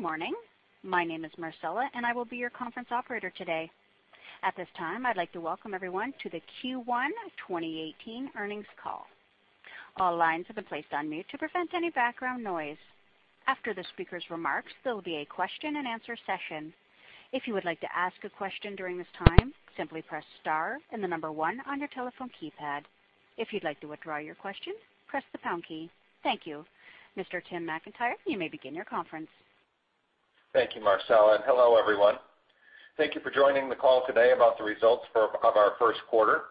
Good morning. My name is Marcella, and I will be your conference operator today. At this time, I'd like to welcome everyone to the Q1 2018 earnings call. All lines have been placed on mute to prevent any background noise. After the speaker's remarks, there will be a question and answer session. If you would like to ask a question during this time, simply press star and the number one on your telephone keypad. If you'd like to withdraw your question, press the pound key. Thank you. Mr. Tim McIntyre, you may begin your conference. Thank you, Marcella. Hello, everyone. Thank you for joining the call today about the results of our first quarter.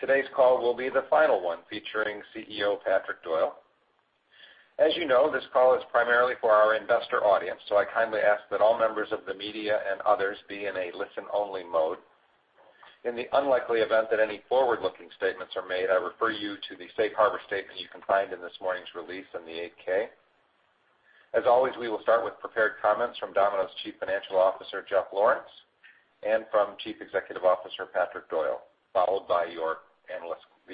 Today's call will be the final one featuring CEO Patrick Doyle. As you know, this call is primarily for our investor audience. I kindly ask that all members of the media and others be in a listen-only mode. In the unlikely event that any forward-looking statements are made, I refer you to the safe harbor statement you can find in this morning's release in the 8-K. As always, we will start with prepared comments from Domino's Chief Financial Officer, Jeff Lawrence, and from Chief Executive Officer, Patrick Doyle, followed by the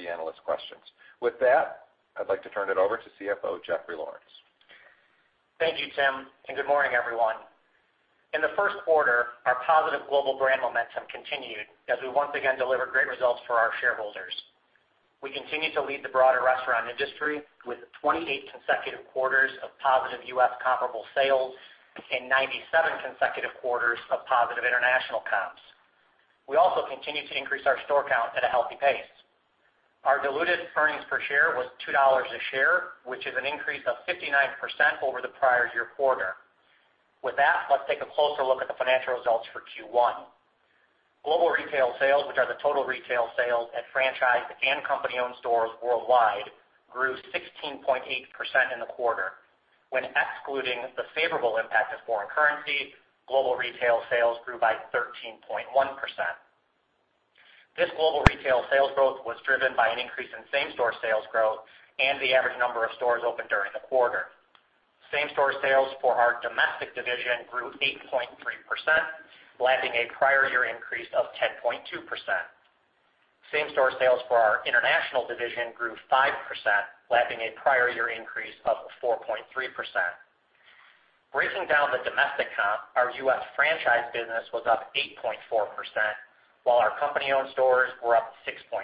analyst questions. With that, I'd like to turn it over to CFO Jeffrey Lawrence. Thank you, Tim, and good morning, everyone. In the first quarter, our positive global brand momentum continued as we once again delivered great results for our shareholders. We continue to lead the broader restaurant industry with 28 consecutive quarters of positive U.S. comparable sales and 97 consecutive quarters of positive international comps. We also continue to increase our store count at a healthy pace. Our diluted earnings per share was $2 a share, which is an increase of 59% over the prior year quarter. With that, let's take a closer look at the financial results for Q1. Global retail sales, which are the total retail sales at franchise and company-owned stores worldwide, grew 16.8% in the quarter. When excluding the favorable impact of foreign currency, global retail sales grew by 13.1%. This global retail sales growth was driven by an increase in same-store sales growth and the average number of stores opened during the quarter. Same-store sales for our domestic division grew 8.3%, lapping a prior year increase of 10.2%. Same-store sales for our international division grew 5%, lapping a prior year increase of 4.3%. Breaking down the domestic comp, our U.S. franchise business was up 8.4%, while our company-owned stores were up 6.4%.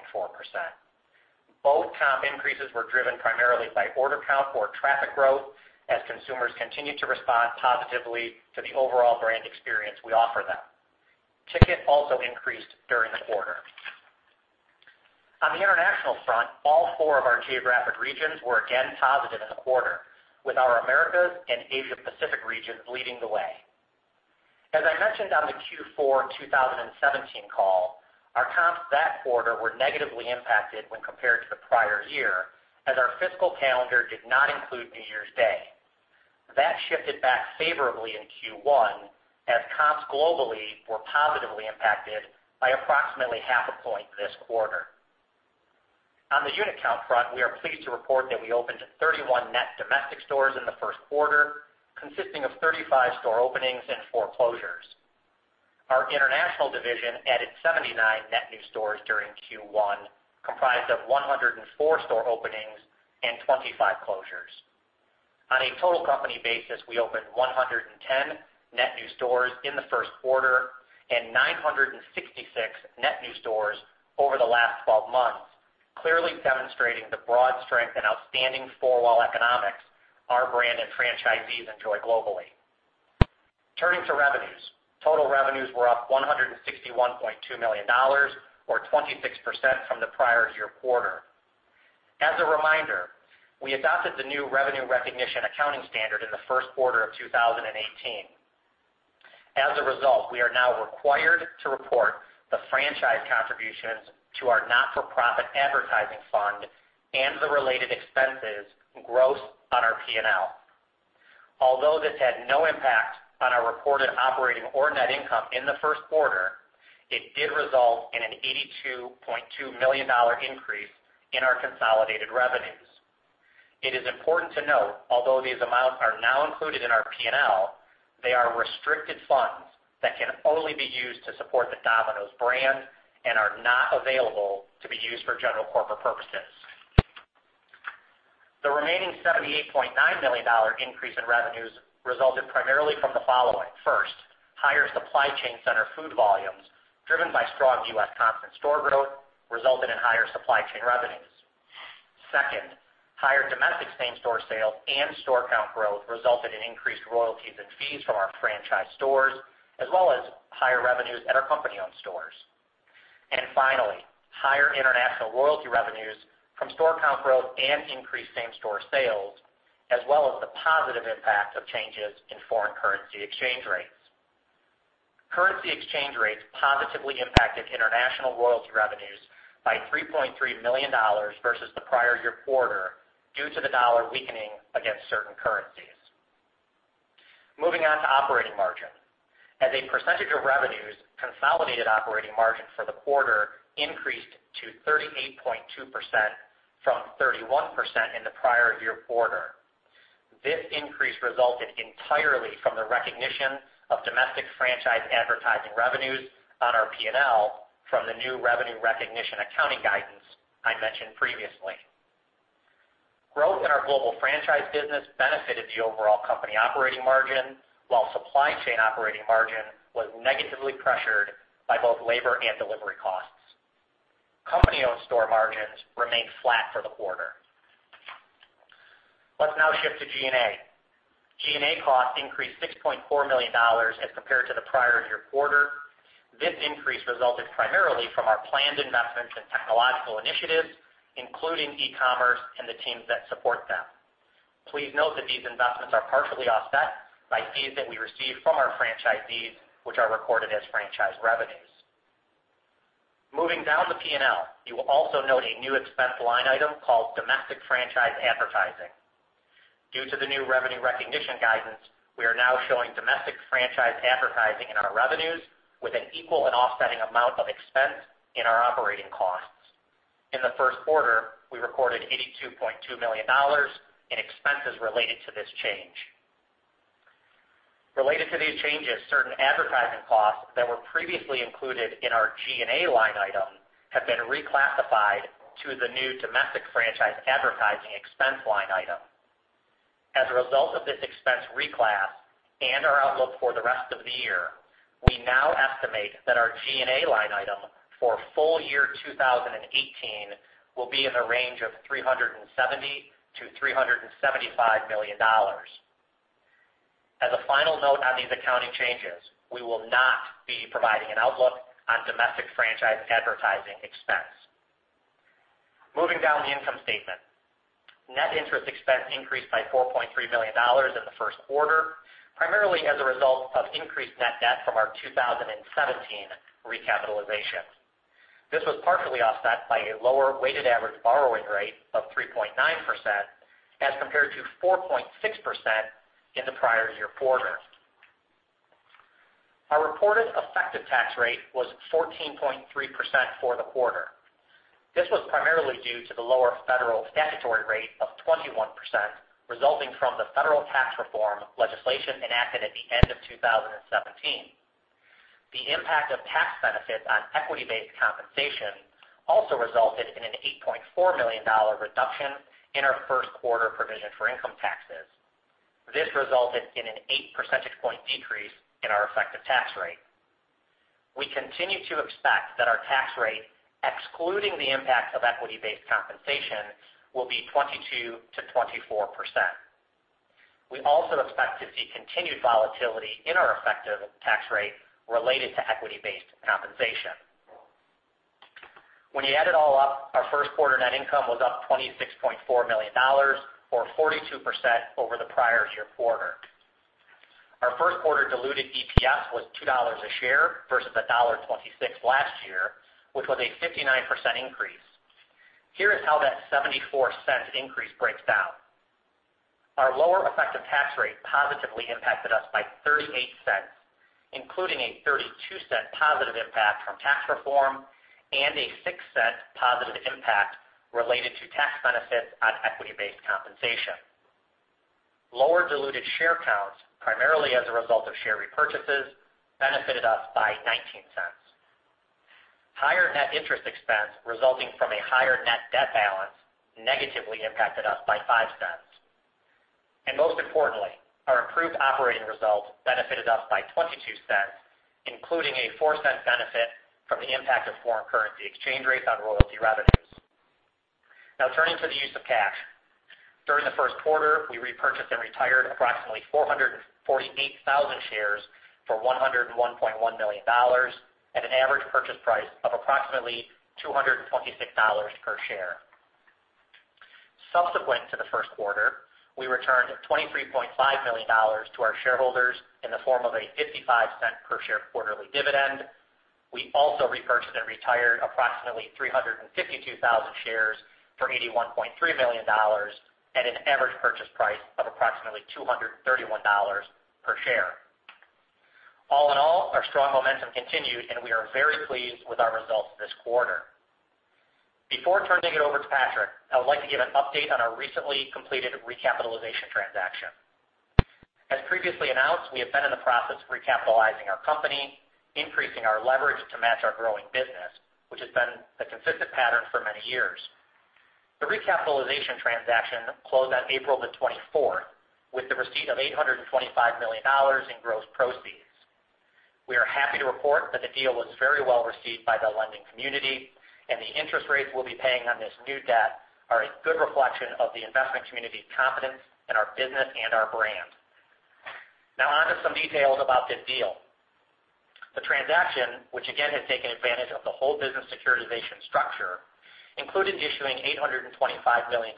Both comp increases were driven primarily by order count or traffic growth as consumers continued to respond positively to the overall brand experience we offer them. Ticket also increased during the quarter. On the international front, all four of our geographic regions were again positive in the quarter, with our Americas and Asia Pacific regions leading the way. As I mentioned on the Q4 2017 call, our comps that quarter were negatively impacted when compared to the prior year, as our fiscal calendar did not include New Year's Day. That shifted back favorably in Q1, as comps globally were positively impacted by approximately half a point this quarter. On the unit count front, we are pleased to report that we opened 31 net domestic stores in the first quarter, consisting of 35 store openings and four closures. Our international division added 79 net new stores during Q1, comprised of 104 store openings and 25 closures. On a total company basis, we opened 110 net new stores in the first quarter and 966 net new stores over the last 12 months, clearly demonstrating the broad strength and outstanding four-wall economics our brand and franchisees enjoy globally. Turning to revenues. Total revenues were up $161.2 million, or 26% from the prior year quarter. As a reminder, we adopted the new revenue recognition accounting standard in the first quarter of 2018. As a result, we are now required to report the franchise contributions to our not-for-profit advertising fund and the related expenses gross on our P&L. Although this had no impact on our reported operating or net income in the first quarter, it did result in an $82.2 million increase in our consolidated revenues. It is important to note, although these amounts are now included in our P&L, they are restricted funds that can only be used to support the Domino's brand and are not available to be used for general corporate purposes. The remaining $78.9 million increase in revenues resulted primarily from the following. First, higher supply chain center food volumes, driven by strong U.S. constant store growth, resulted in higher supply chain revenues. Second, higher domestic same-store sales and store count growth resulted in increased royalties and fees from our franchise stores, as well as higher revenues at our company-owned stores. Finally, higher international royalty revenues from store count growth and increased same-store sales, as well as the positive impact of changes in foreign currency exchange rates. Currency exchange rates positively impacted international royalty revenues by $3.3 million versus the prior year quarter due to the dollar weakening against certain currencies. Moving on to operating margin. As a percentage of revenues, consolidated operating margin for the quarter increased to 38.2% from 31% in the prior year quarter. This increase resulted entirely from the recognition of domestic franchise advertising revenues on our P&L from the new revenue recognition accounting guidance I mentioned previously. Growth in our global franchise business benefited the overall company operating margin, while supply chain operating margin was negatively pressured by both labor and delivery costs. Company-owned store margins remained flat for the quarter. Let's now shift to G&A. G&A costs increased $6.4 million as compared to the prior year quarter. This increase resulted primarily from our planned investments in technological initiatives, including e-commerce and the teams that support them. Please note that these investments are partially offset by fees that we receive from our franchisees, which are recorded as franchise revenues. Moving down the P&L, you will also note a new expense line item called domestic franchise advertising. Due to the new revenue recognition guidance, we are now showing domestic franchise advertising in our revenues with an equal and offsetting amount of expense in our operating costs. In the first quarter, we recorded $82.2 million in expenses related to this change. Related to these changes, certain advertising costs that were previously included in our G&A line item have been reclassified to the new domestic franchise advertising expense line item. As a result of this expense reclass and our outlook for the rest of the year, we now estimate that our G&A line item for full year 2018 will be in the range of $370 million-$375 million. As a final note on these accounting changes, we will not be providing an outlook on domestic franchise advertising expense. Moving down the income statement. Net interest expense increased by $4.3 million in the first quarter, primarily as a result of increased net debt from our 2017 recapitalization. This was partially offset by a lower weighted average borrowing rate of 3.9% as compared to 4.6% in the prior year quarter. Our reported effective tax rate was 14.3% for the quarter. This was primarily due to the lower federal statutory rate of 21%, resulting from the federal tax reform legislation enacted at the end of 2017. The impact of tax benefits on equity-based compensation also resulted in an $8.4 million reduction in our first quarter provision for income taxes. This resulted in an eight percentage point decrease in our effective tax rate. We continue to expect that our tax rate, excluding the impact of equity-based compensation, will be 22%-24%. We also expect to see continued volatility in our effective tax rate related to equity-based compensation. When you add it all up, our first quarter net income was up $26.4 million, or 42% over the prior year quarter. Our first quarter diluted EPS was $2 a share versus $1.26 last year, which was a 59% increase. Here is how that $0.74 increase breaks down. Our lower effective tax rate positively impacted us by $0.38, including a $0.32 positive impact from tax reform and a $0.06 positive impact related to tax benefits on equity-based compensation. Lower diluted share counts, primarily as a result of share repurchases, benefited us by $0.19. Higher net interest expense resulting from a higher net debt balance negatively impacted us by $0.05. Most importantly, our improved operating results benefited us by $0.22, including a $0.04 benefit from the impact of foreign currency exchange rates on royalty revenues. Now turning to the use of cash. During the first quarter, we repurchased and retired approximately 448,000 shares for $101.1 million at an average purchase price of approximately $226 per share. Subsequent to the first quarter, we returned $23.5 million to our shareholders in the form of a $0.55 per share quarterly dividend. We also repurchased and retired approximately 352,000 shares for $81.3 million at an average purchase price of approximately $231 per share. All in all, our strong momentum continued, and we are very pleased with our results this quarter. Before turning it over to Patrick, I would like to give an update on our recently completed recapitalization transaction. As previously announced, we have been in the process of recapitalizing our company, increasing our leverage to match our growing business, which has been a consistent pattern for many years. The recapitalization transaction closed on April 24th, with the receipt of $825 million in gross proceeds. We are happy to report that the deal was very well received by the lending community, and the interest rates we will be paying on this new debt are a good reflection of the investment community's confidence in our business and our brand. Now on to some details about this deal. The transaction, which again has taken advantage of the whole business securitization structure, included issuing $825 million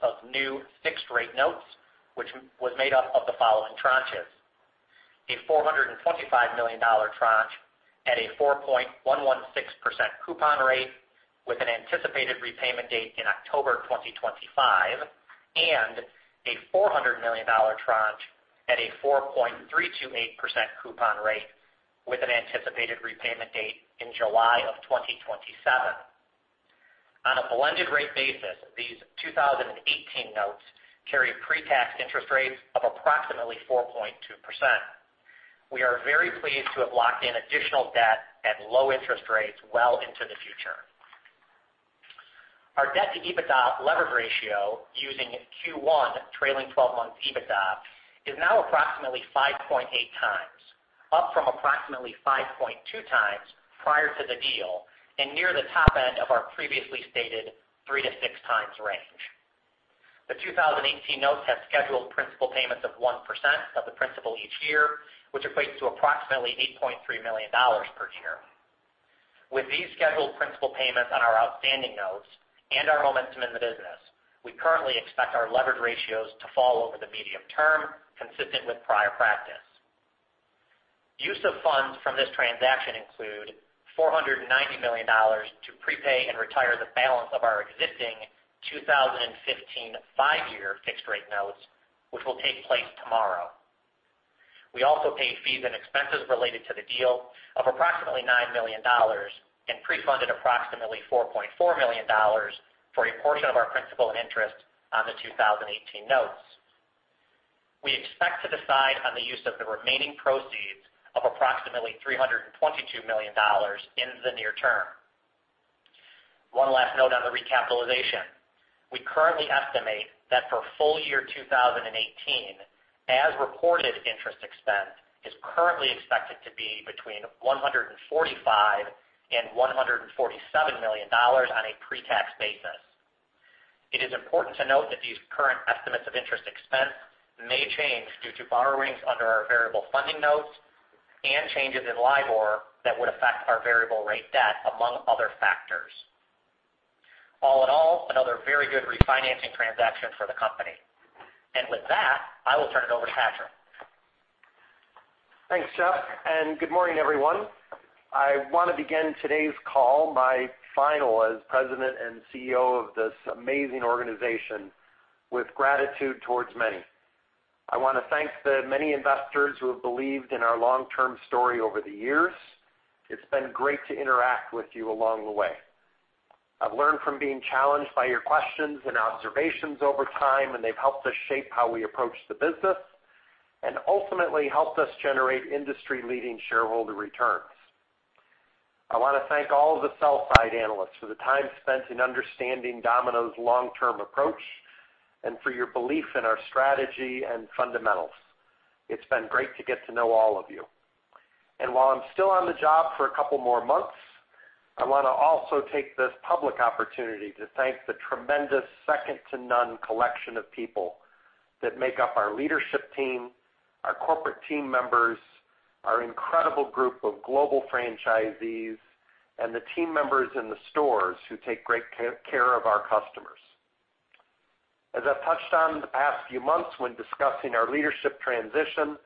of new fixed rate notes, which was made up of the following tranches. A $425 million tranche at a 4.116% coupon rate with an anticipated repayment date in October 2025, and a $400 million tranche at a 4.328% coupon rate with an anticipated repayment date in July of 2027. On a blended rate basis, these 2018 notes carry pre-tax interest rates of approximately 4.2%. We are very pleased to have locked in additional debt at low interest rates well into the future. Our debt to EBITDA leverage ratio using Q1 trailing 12 months EBITDA is now approximately 5.8 times, up from approximately 5.2 times prior to the deal and near the top end of our previously stated 3-6 times range. The 2018 notes have scheduled principal payments of 1% of the principal each year, which equates to approximately $8.3 million per year. With these scheduled principal payments on our outstanding notes and our momentum in the business, we currently expect our leverage ratios to fall over the medium term, consistent with prior practice. Use of funds from this transaction include $490 million to prepay and retire the balance of our existing 2015 five-year fixed rate notes, which will take place tomorrow. We also paid fees and expenses related to the deal of approximately $9 million and pre-funded approximately $4.4 million for a portion of our principal and interest on the 2018 notes. We expect to decide on the use of the remaining proceeds of approximately $322 million in the near term. One last note on the recapitalization. We currently estimate that for full year 2018, as reported, interest expense is currently expected to be between $145 million and $147 million on a pretax basis. It is important to note that these current estimates of interest expense may change due to borrowings under our variable funding notes and changes in LIBOR that would affect our variable rate debt, among other factors. All in all, another very good refinancing transaction for the company. With that, I will turn it over to Patrick. Thanks, Jeff, and good morning, everyone. I want to begin today's call, my final as president and CEO of this amazing organization, with gratitude towards many. I want to thank the many investors who have believed in our long-term story over the years. It's been great to interact with you along the way. I've learned from being challenged by your questions and observations over time, and they've helped us shape how we approach the business and ultimately helped us generate industry-leading shareholder returns. I want to thank all of the sell side analysts for the time spent in understanding Domino's long-term approach and for your belief in our strategy and fundamentals. It's been great to get to know all of you. While I'm still on the job for two more months, I want to also take this public opportunity to thank the tremendous second to none collection of people that make up our leadership team, our corporate team members, our incredible group of global franchisees, and the team members in the stores who take great care of our customers. As I've touched on the past few months when discussing our leadership transition,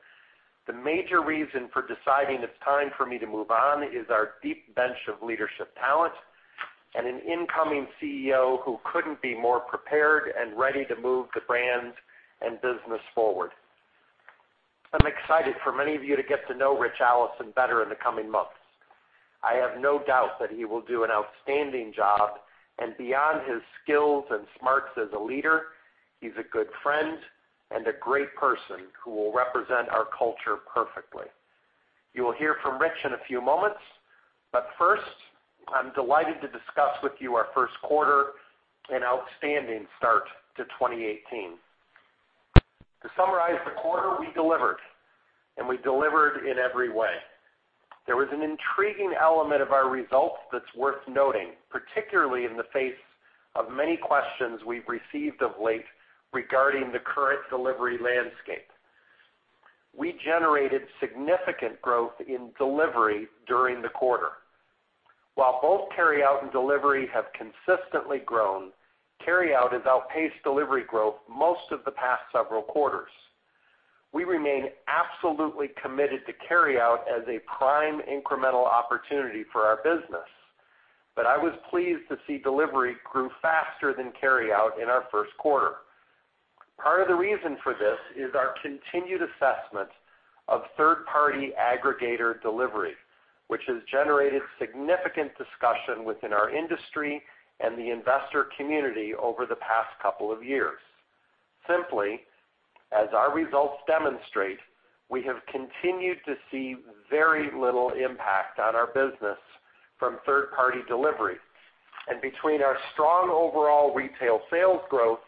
the major reason for deciding it's time for me to move on is our deep bench of leadership talent and an incoming CEO who couldn't be more prepared and ready to move the brand and business forward. I'm excited for many of you to get to know Richard Allison better in the coming months. I have no doubt that he will do an outstanding job, Beyond his skills and smarts as a leader, he's a good friend and a great person who will represent our culture perfectly. You will hear from Rich in a few moments, First, I'm delighted to discuss with you our first quarter, an outstanding start to 2018. To summarize the quarter, we delivered, We delivered in every way. There was an intriguing element of our results that's worth noting, particularly in the face of many questions we've received of late regarding the current delivery landscape. We generated significant growth in delivery during the quarter. While both carryout and delivery have consistently grown, carryout has outpaced delivery growth most of the past several quarters. We remain absolutely committed to carryout as a prime incremental opportunity for our business. I was pleased to see delivery grew faster than carryout in our first quarter. Part of the reason for this is our continued assessment of third-party aggregator delivery, which has generated significant discussion within our industry and the investor community over the past two years. Simply, as our results demonstrate, we have continued to see very little impact on our business from third-party delivery. Between our strong overall retail sales growth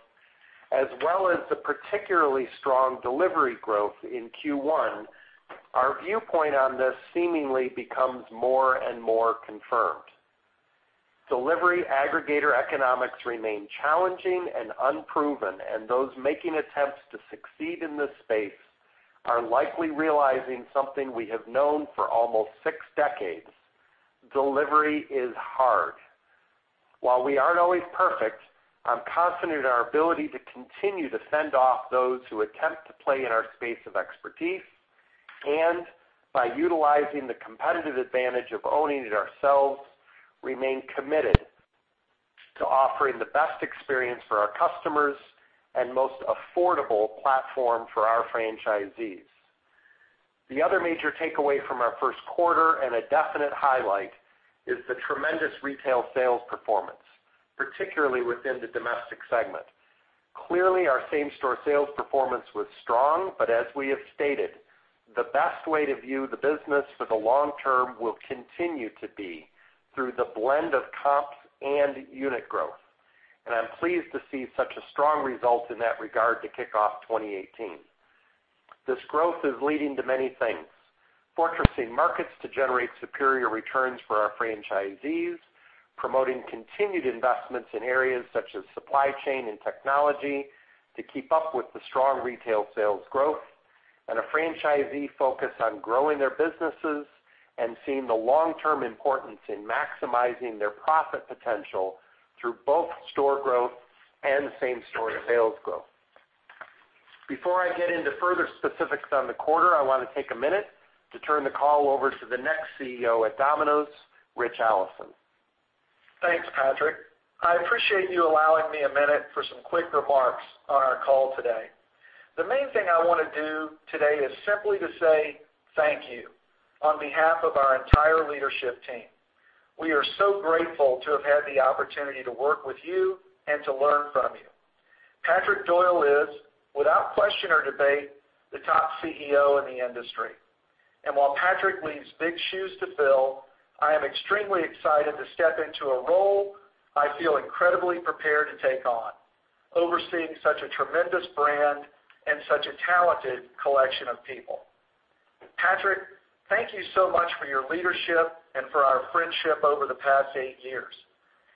as well as the particularly strong delivery growth in Q1, our viewpoint on this seemingly becomes more and more confirmed. Delivery aggregator economics remain challenging and unproven, and those making attempts to succeed in this space are likely realizing something we have known for almost six decades: delivery is hard. While we aren't always perfect, I'm confident in our ability to continue to fend off those who attempt to play in our space of expertise and by utilizing the competitive advantage of owning it ourselves, remain committed to offering the best experience for our customers and most affordable platform for our franchisees. The other major takeaway from our first quarter and a definite highlight is the tremendous retail sales performance, particularly within the domestic segment. Clearly, our same-store sales performance was strong. As we have stated, the best way to view the business for the long term will continue to be through the blend of comps and unit growth. I'm pleased to see such a strong result in that regard to kick off 2018. This growth is leading to many things. Fortressing markets to generate superior returns for our franchisees, promoting continued investments in areas such as supply chain and technology to keep up with the strong retail sales growth, and a franchisee focus on growing their businesses and seeing the long-term importance in maximizing their profit potential through both store growth and same-store sales growth. Before I get into further specifics on the quarter, I want to take a minute to turn the call over to the next CEO at Domino's, Richard Allison. Thanks, Patrick. I appreciate you allowing me a minute for some quick remarks on our call today. The main thing I want to do today is simply to say thank you on behalf of our entire leadership team. We are so grateful to have had the opportunity to work with you and to learn from you. Patrick Doyle is, without question or debate, the top CEO in the industry. While Patrick leaves big shoes to fill, I am extremely excited to step into a role I feel incredibly prepared to take on, overseeing such a tremendous brand and such a talented collection of people. Patrick, thank you so much for your leadership and for our friendship over the past eight years.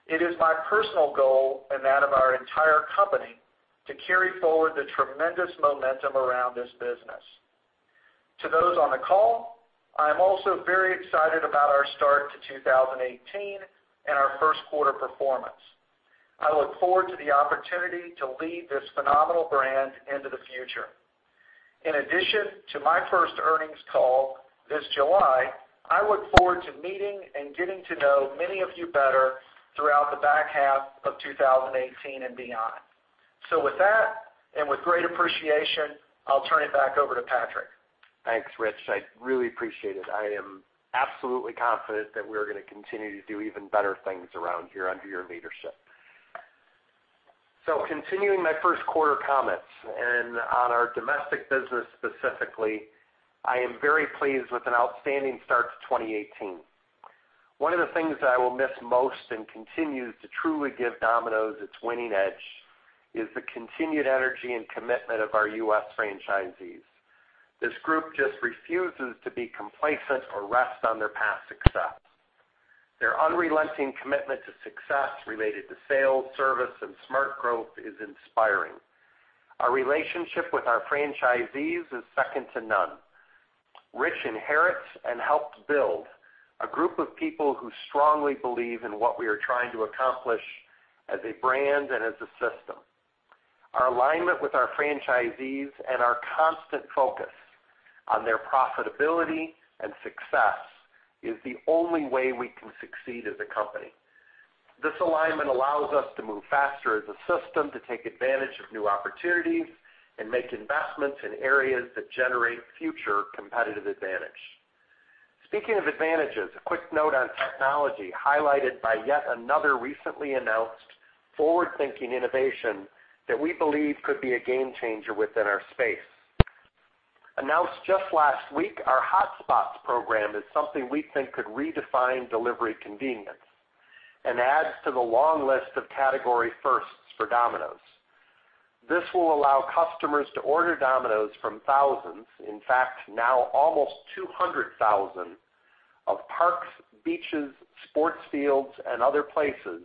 It is my personal goal, and that of our entire company, to carry forward the tremendous momentum around this business. To those on the call, I am also very excited about our start to 2018 and our first quarter performance. I look forward to the opportunity to lead this phenomenal brand into the future. In addition to my first earnings call this July, I look forward to meeting and getting to know many of you better throughout the back half of 2018 and beyond. With that, and with great appreciation, I'll turn it back over to Patrick. Thanks, Rich. I really appreciate it. I am absolutely confident that we're going to continue to do even better things around here under your leadership. Continuing my first quarter comments, and on our domestic business specifically, I am very pleased with an outstanding start to 2018. One of the things that I will miss most and continues to truly give Domino's its winning edge is the continued energy and commitment of our U.S. franchisees. This group just refuses to be complacent or rest on their past success. Their unrelenting commitment to success related to sales, service, and smart growth is inspiring. Our relationship with our franchisees is second to none. Rich inherits and helped build a group of people who strongly believe in what we are trying to accomplish as a brand and as a system. Our alignment with our franchisees and our constant focus on their profitability and success is the only way we can succeed as a company. This alignment allows us to move faster as a system to take advantage of new opportunities and make investments in areas that generate future competitive advantage. Speaking of advantages, a quick note on technology highlighted by yet another recently announced forward-thinking innovation that we believe could be a game changer within our space. Announced just last week, our Hotspots program is something we think could redefine delivery convenience and adds to the long list of category firsts for Domino's. This will allow customers to order Domino's from thousands, in fact, now almost 200,000, of parks, beaches, sports fields, and other places,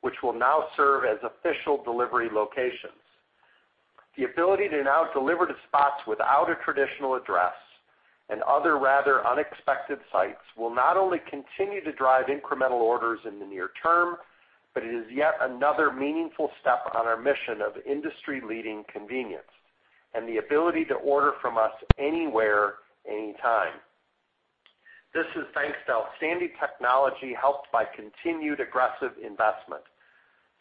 which will now serve as official delivery locations. The ability to now deliver to spots without a traditional address and other rather unexpected sites will not only continue to drive incremental orders in the near term, but it is yet another meaningful step on our mission of industry-leading convenience and the ability to order from us anywhere, anytime. This is thanks to outstanding technology helped by continued aggressive investment.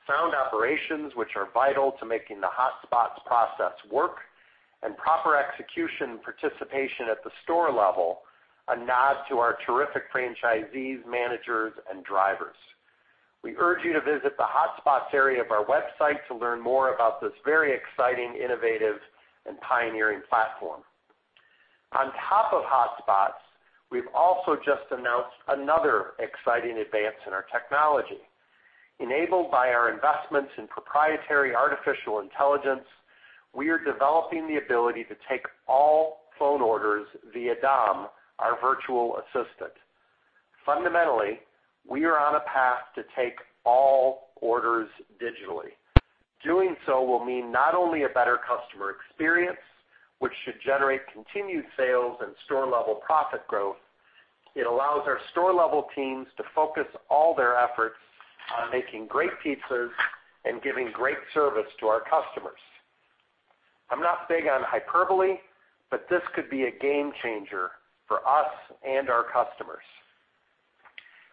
Sound operations, which are vital to making the Hotspots process work, and proper execution and participation at the store level, a nod to our terrific franchisees, managers, and drivers. We urge you to visit the Hotspots area of our website to learn more about this very exciting, innovative, and pioneering platform. On top of Hotspots, we've also just announced another exciting advance in our technology. Enabled by our investments in proprietary artificial intelligence, we are developing the ability to take all phone orders via Dom, our virtual assistant. Fundamentally, we are on a path to take all orders digitally. Doing so will mean not only a better customer experience, which should generate continued sales and store-level profit growth, it allows our store-level teams to focus all their efforts on making great pizzas and giving great service to our customers. I'm not big on hyperbole, but this could be a game changer for us and our customers.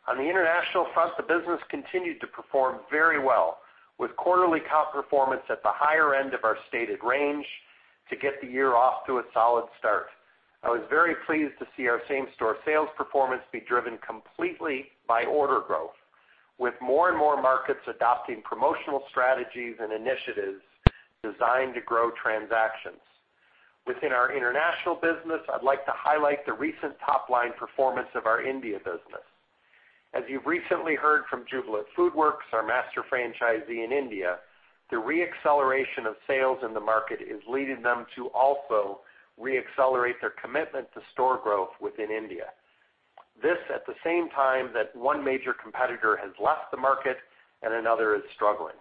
On the international front, the business continued to perform very well, with quarterly comp performance at the higher end of our stated range to get the year off to a solid start. I was very pleased to see our same-store sales performance be driven completely by order growth, with more and more markets adopting promotional strategies and initiatives designed to grow transactions. Within our international business, I'd like to highlight the recent top-line performance of our India business. As you've recently heard from Jubilant FoodWorks, our master franchisee in India, the re-acceleration of sales in the market is leading them to also re-accelerate their commitment to store growth within India. This, at the same time that one major competitor has left the market and another is struggling.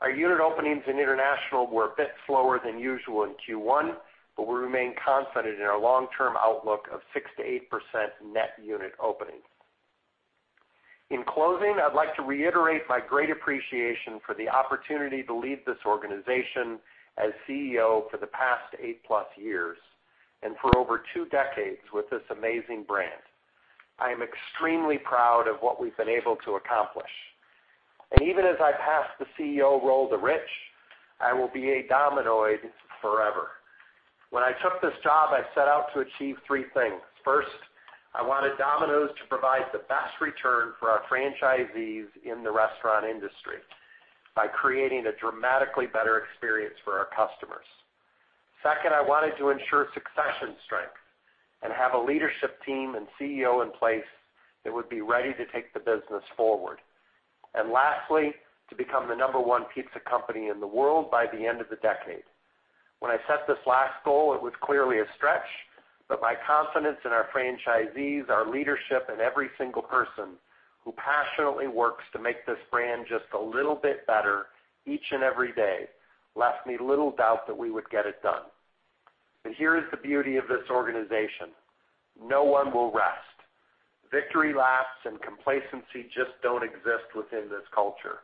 Our unit openings in international were a bit slower than usual in Q1, but we remain confident in our long-term outlook of 6%-8% net unit openings. In closing, I'd like to reiterate my great appreciation for the opportunity to lead this organization as CEO for the past eight-plus years and for over two decades with this amazing brand. Even as I pass the CEO role to Rich, I will be a Domino'd forever. When I took this job, I set out to achieve three things. First, I wanted Domino's to provide the best return for our franchisees in the restaurant industry by creating a dramatically better experience for our customers. Second, I wanted to ensure succession strength and have a leadership team and CEO in place that would be ready to take the business forward. Lastly, to become the number one pizza company in the world by the end of the decade. When I set this last goal, it was clearly a stretch, but my confidence in our franchisees, our leadership, and every single person who passionately works to make this brand just a little bit better each and every day left me little doubt that we would get it done. Here is the beauty of this organization. No one will rest. Victory laps and complacency just don't exist within this culture.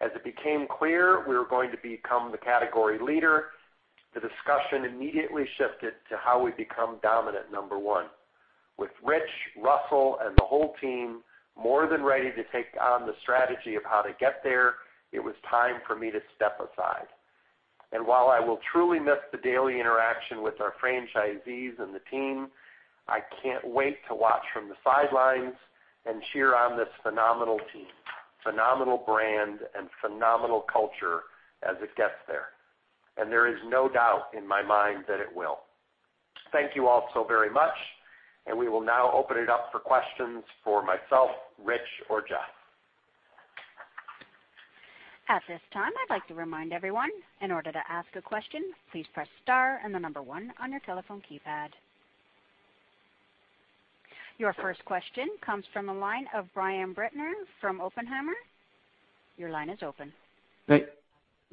As it became clear we were going to become the category leader, the discussion immediately shifted to how we become dominant number one. With Rich, Russell, and the whole team more than ready to take on the strategy of how to get there, it was time for me to step aside. While I will truly miss the daily interaction with our franchisees and the team, I can't wait to watch from the sidelines and cheer on this phenomenal team, phenomenal brand, and phenomenal culture as it gets there. There is no doubt in my mind that it will. Thank you all so very much, and we will now open it up for questions for myself, Rich, or Jeff. At this time, I'd like to remind everyone, in order to ask a question, please press star and the number one on your telephone keypad. Your first question comes from the line of Brian Bittner from Oppenheimer. Your line is open. Thank you,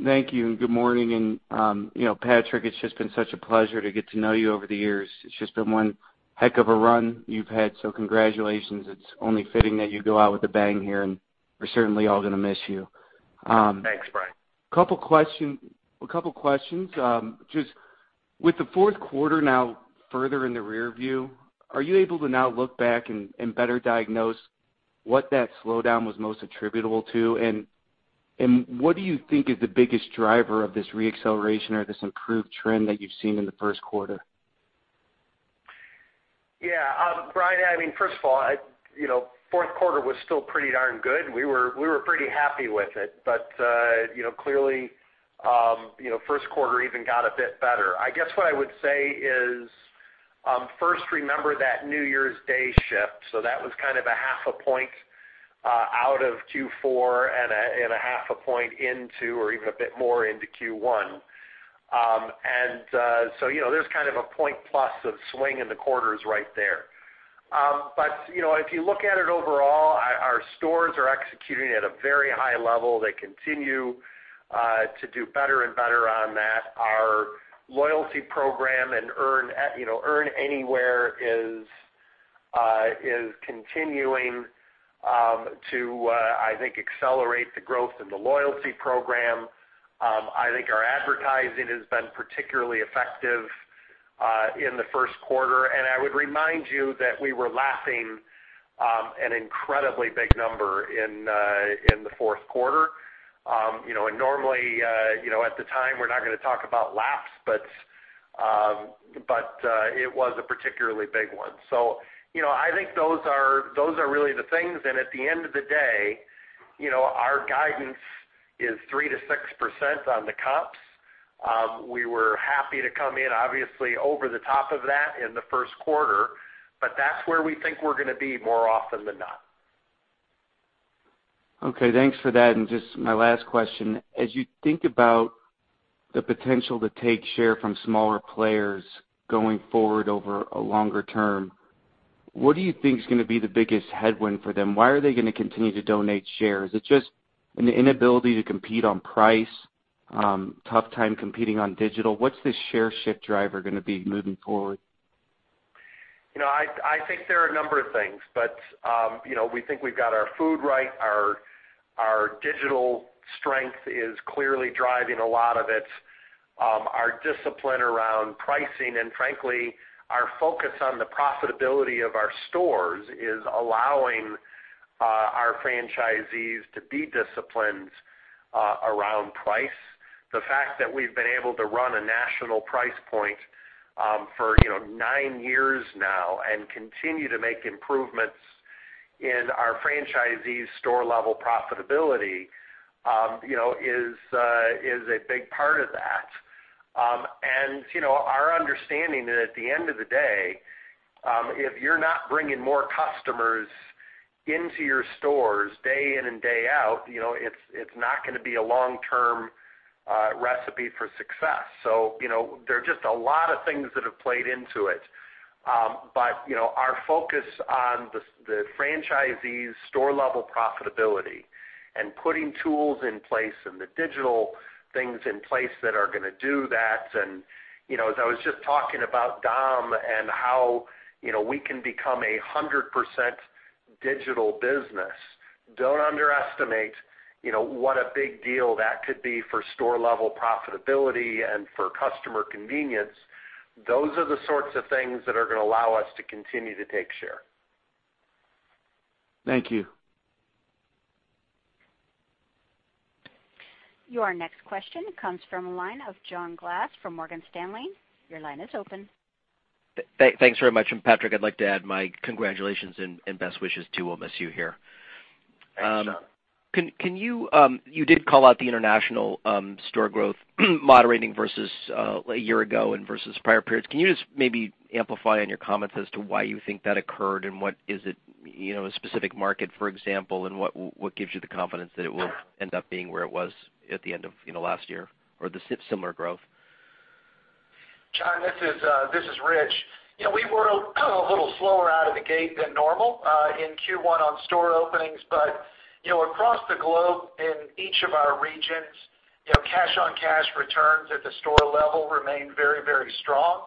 and good morning. Patrick, it's just been such a pleasure to get to know you over the years. It's just been one heck of a run you've had, congratulations. It's only fitting that you go out with a bang here, and we're certainly all going to miss you. Thanks, Brian. A couple questions. Just with the fourth quarter now further in the rear view, are you able to now look back and better diagnose what that slowdown was most attributable to? What do you think is the biggest driver of this re-acceleration or this improved trend that you've seen in the first quarter? Brian, first of all, fourth quarter was still pretty darn good. We were pretty happy with it. Clearly, first quarter even got a bit better. I guess what I would say is, first, remember that New Year's Day shift. That was kind of a half a point out of Q4 and a half a point into or even a bit more into Q1. There's kind of a point-plus of swing in the quarters right there. If you look at it overall, our stores are executing at a very high level. They continue to do better and better on that. Our loyalty program and AnyWare is continuing to, I think, accelerate the growth in the loyalty program. I think our advertising has been particularly effective in the first quarter, I would remind you that we were lapping an incredibly big number in the fourth quarter. Normally, at the time, we're not going to talk about laps, but it was a particularly big one. I think those are really the things. At the end of the day, our guidance is 3%-6% on the comps. We were happy to come in, obviously, over the top of that in the first quarter, but that's where we think we're going to be more often than not. Okay, thanks for that. Just my last question. As you think about the potential to take share from smaller players going forward over a longer term, what do you think is going to be the biggest headwind for them? Why are they going to continue to donate shares? Is it just an inability to compete on price? Tough time competing on digital? What's the share shift driver going to be moving forward? I think there are a number of things. We think we've got our food right. Our digital strength is clearly driving a lot of it. Our discipline around pricing and frankly, our focus on the profitability of our stores is allowing our franchisees to be disciplined around price. The fact that we've been able to run a national price point for nine years now and continue to make improvements in our franchisees' store-level profitability, is a big part of that. Our understanding is at the end of the day, if you're not bringing more customers into your stores day in and day out, it's not going to be a long-term recipe for success. There are just a lot of things that have played into it. Our focus on the franchisees' store-level profitability and putting tools in place and the digital things in place that are going to do that, and as I was just talking about Dom and how we can become a 100% digital business. Don't underestimate what a big deal that could be for store-level profitability and for customer convenience. Those are the sorts of things that are going to allow us to continue to take share. Thank you. Your next question comes from the line of John Glass from Morgan Stanley. Your line is open. Thanks very much. Patrick, I'd like to add my congratulations and best wishes, too. We'll miss you here. Thanks, John. You did call out the international store growth moderating versus a year ago and versus prior periods. Can you just maybe amplify on your comments as to why you think that occurred, and what is it, a specific market, for example, and what gives you the confidence that it will end up being where it was at the end of last year or the similar growth? John, this is Richard Allison. We were a little slower out of the gate than normal in Q1 on store openings. Across the globe in each of our regions, cash-on-cash returns at the store level remained very strong.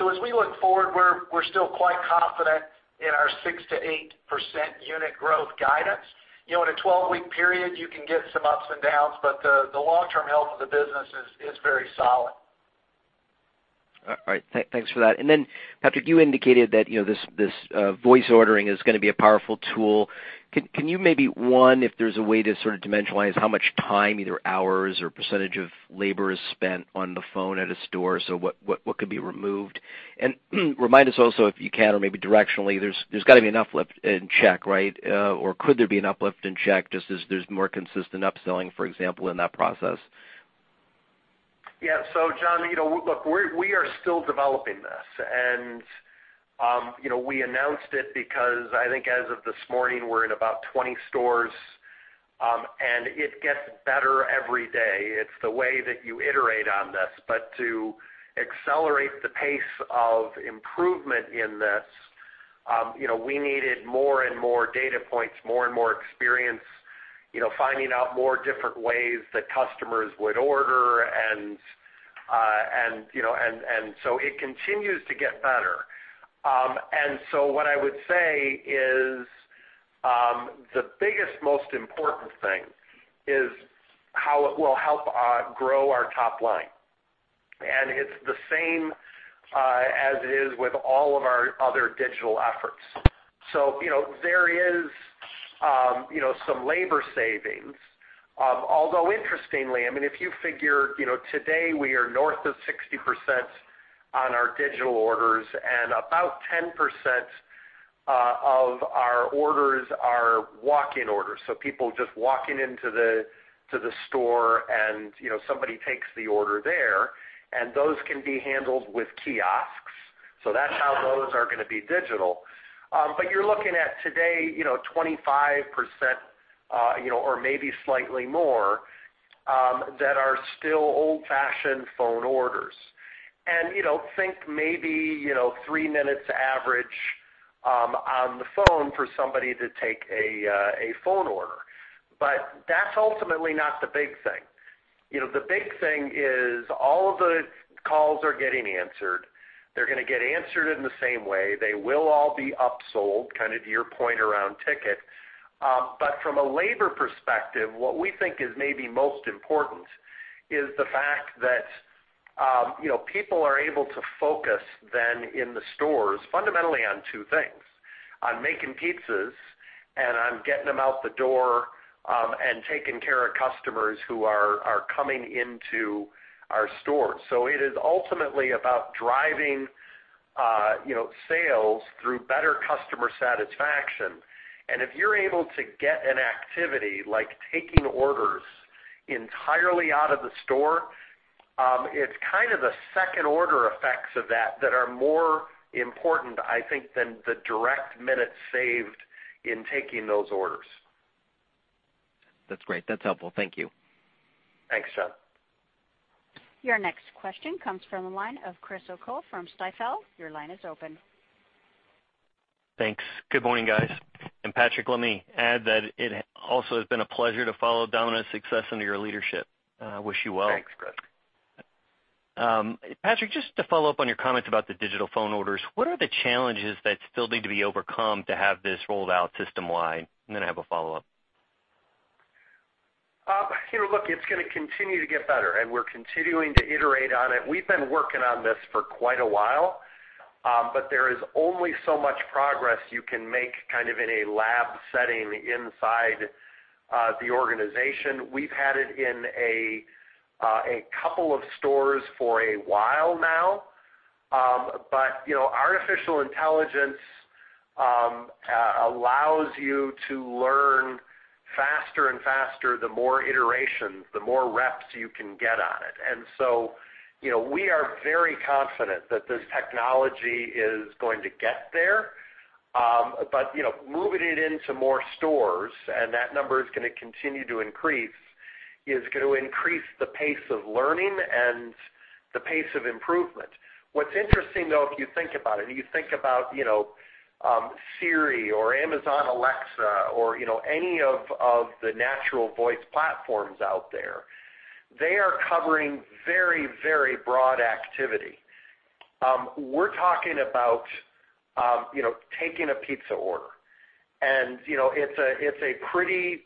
As we look forward, we're still quite confident in our 6%-8% unit growth guidance. In a 12-week period, you can get some ups and downs, but the long-term health of the business is very solid. All right. Thanks for that. Then Patrick, you indicated that this voice ordering is going to be a powerful tool. Can you maybe, one, if there's a way to sort of dimensionalize how much time, either hours or percentage of labor is spent on the phone at a store, so what could be removed? Remind us also, if you can, or maybe directionally, there's got to be an uplift in check, right? Could there be an uplift in check just as there's more consistent upselling, for example, in that process? Yeah. John, look, we are still developing this, and we announced it because I think as of this morning, we're in about 20 stores, and it gets better every day. It's the way that you iterate on this. To accelerate the pace of improvement in this, we needed more and more data points, more and more experience, finding out more different ways that customers would order, and so it continues to get better. What I would say is the biggest, most important thing is how it will help grow our top line. It's the same as it is with all of our other digital efforts. There is some labor savings. Although interestingly, if you figure, today we are north of 60% on our digital orders, and about 10% of our orders are walk-in orders, so people just walking into the store and somebody takes the order there, and those can be handled with kiosks. That's how those are going to be digital. You're looking at today 25% or maybe slightly more, that are still old-fashioned phone orders. Think maybe, three minutes average on the phone for somebody to take a phone order. That's ultimately not the big thing. The big thing is all of the calls are getting answered. They're going to get answered in the same way. They will all be upsold, kind of to your point around ticket. From a labor perspective, what we think is maybe most important is the fact that people are able to focus then in the stores fundamentally on two things, on making pizzas and on getting them out the door, and taking care of customers who are coming into our stores. It is ultimately about driving sales through better customer satisfaction. If you're able to get an activity like taking orders entirely out of the store, it's kind of the second order effects of that that are more important, I think, than the direct minutes saved in taking those orders. That's great. That's helpful. Thank you. Thanks, John. Your next question comes from the line of Chris O'Cull from Stifel. Your line is open. Thanks. Good morning, guys. Patrick, let me add that it also has been a pleasure to follow Domino's success under your leadership. I wish you well. Thanks, Chris. Patrick, just to follow up on your comments about the digital phone orders, what are the challenges that still need to be overcome to have this rolled out system-wide? I have a follow-up. Look, it's going to continue to get better, we're continuing to iterate on it. We've been working on this for quite a while. There is only so much progress you can make kind of in a lab setting inside the organization. We've had it in a couple of stores for a while now. Artificial intelligence allows you to learn faster and faster, the more iterations, the more reps you can get on it. We are very confident that this technology is going to get there. Moving it into more stores, and that number is going to continue to increase, is going to increase the pace of learning and the pace of improvement. What's interesting, though, if you think about it, you think about Siri or Amazon Alexa or any of the natural voice platforms out there, they are covering very broad activity. We're talking about taking a pizza order. It's a pretty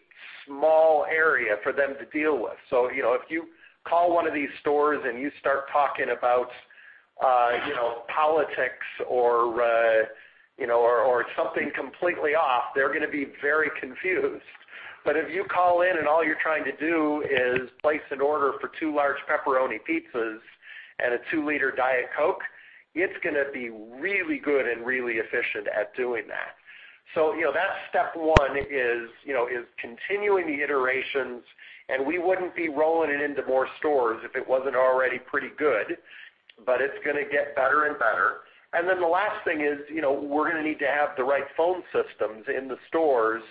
small area for them to deal with. If you call one of these stores and you start talking about politics or something completely off, they're going to be very confused. If you call in and all you're trying to do is place an order for two large pepperoni pizzas and a 2-liter Diet Coke, it's going to be really good and really efficient at doing that. That step one is continuing the iterations, we wouldn't be rolling it into more stores if it wasn't already pretty good, but it's going to get better and better. The last thing is, we're going to need to have the right phone systems in the stores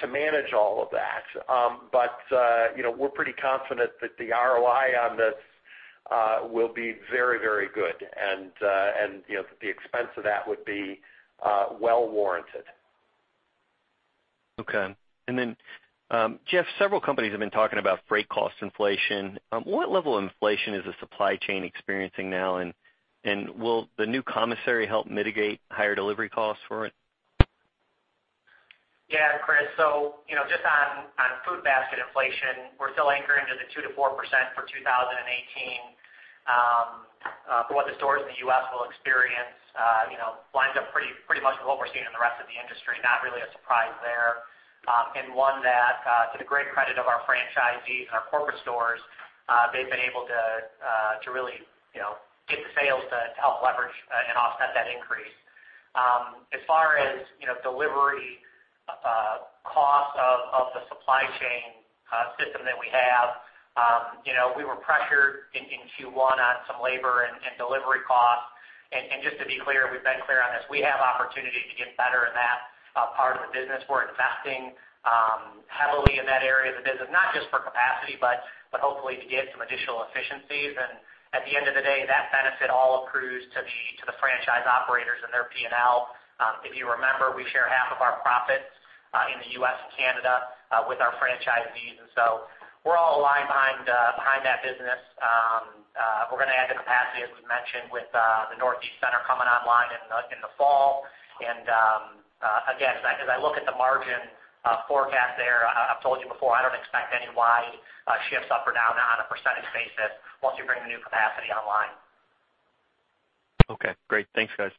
to manage all of that. We're pretty confident that the ROI on this will be very good. That the expense of that would be well warranted. Okay. Jeff, several companies have been talking about freight cost inflation. What level of inflation is the supply chain experiencing now, and will the new commissary help mitigate higher delivery costs for it? Yeah, Chris. Just on Food Basket inflation, we're still anchoring to the 2%-4% for 2018. For what the stores in the U.S. will experience, lines up pretty much with what we're seeing in the rest of the industry, not really a surprise there. One that, to the great credit of our franchisees and our corporate stores, they've been able to really get the sales to help leverage and offset that increase. As far as delivery costs of the supply chain system that we have. We were pressured in Q1 on some labor and delivery costs. Just to be clear, we've been clear on this, we have opportunity to get better in that part of the business. We're investing heavily in that area of the business, not just for capacity, but hopefully to get some additional efficiencies. At the end of the day, that benefit all accrues to the franchise operators and their P&L. If you remember, we share half of our profits in the U.S. and Canada with our franchisees, we're all aligned behind that business. We're going to add the capacity, as we mentioned, with the Northeast center coming online in the fall. Again, as I look at the margin forecast there, I've told you before, I don't expect any wide shifts up or down on a percentage basis once we bring the new capacity online. Okay, great. Thanks, guys.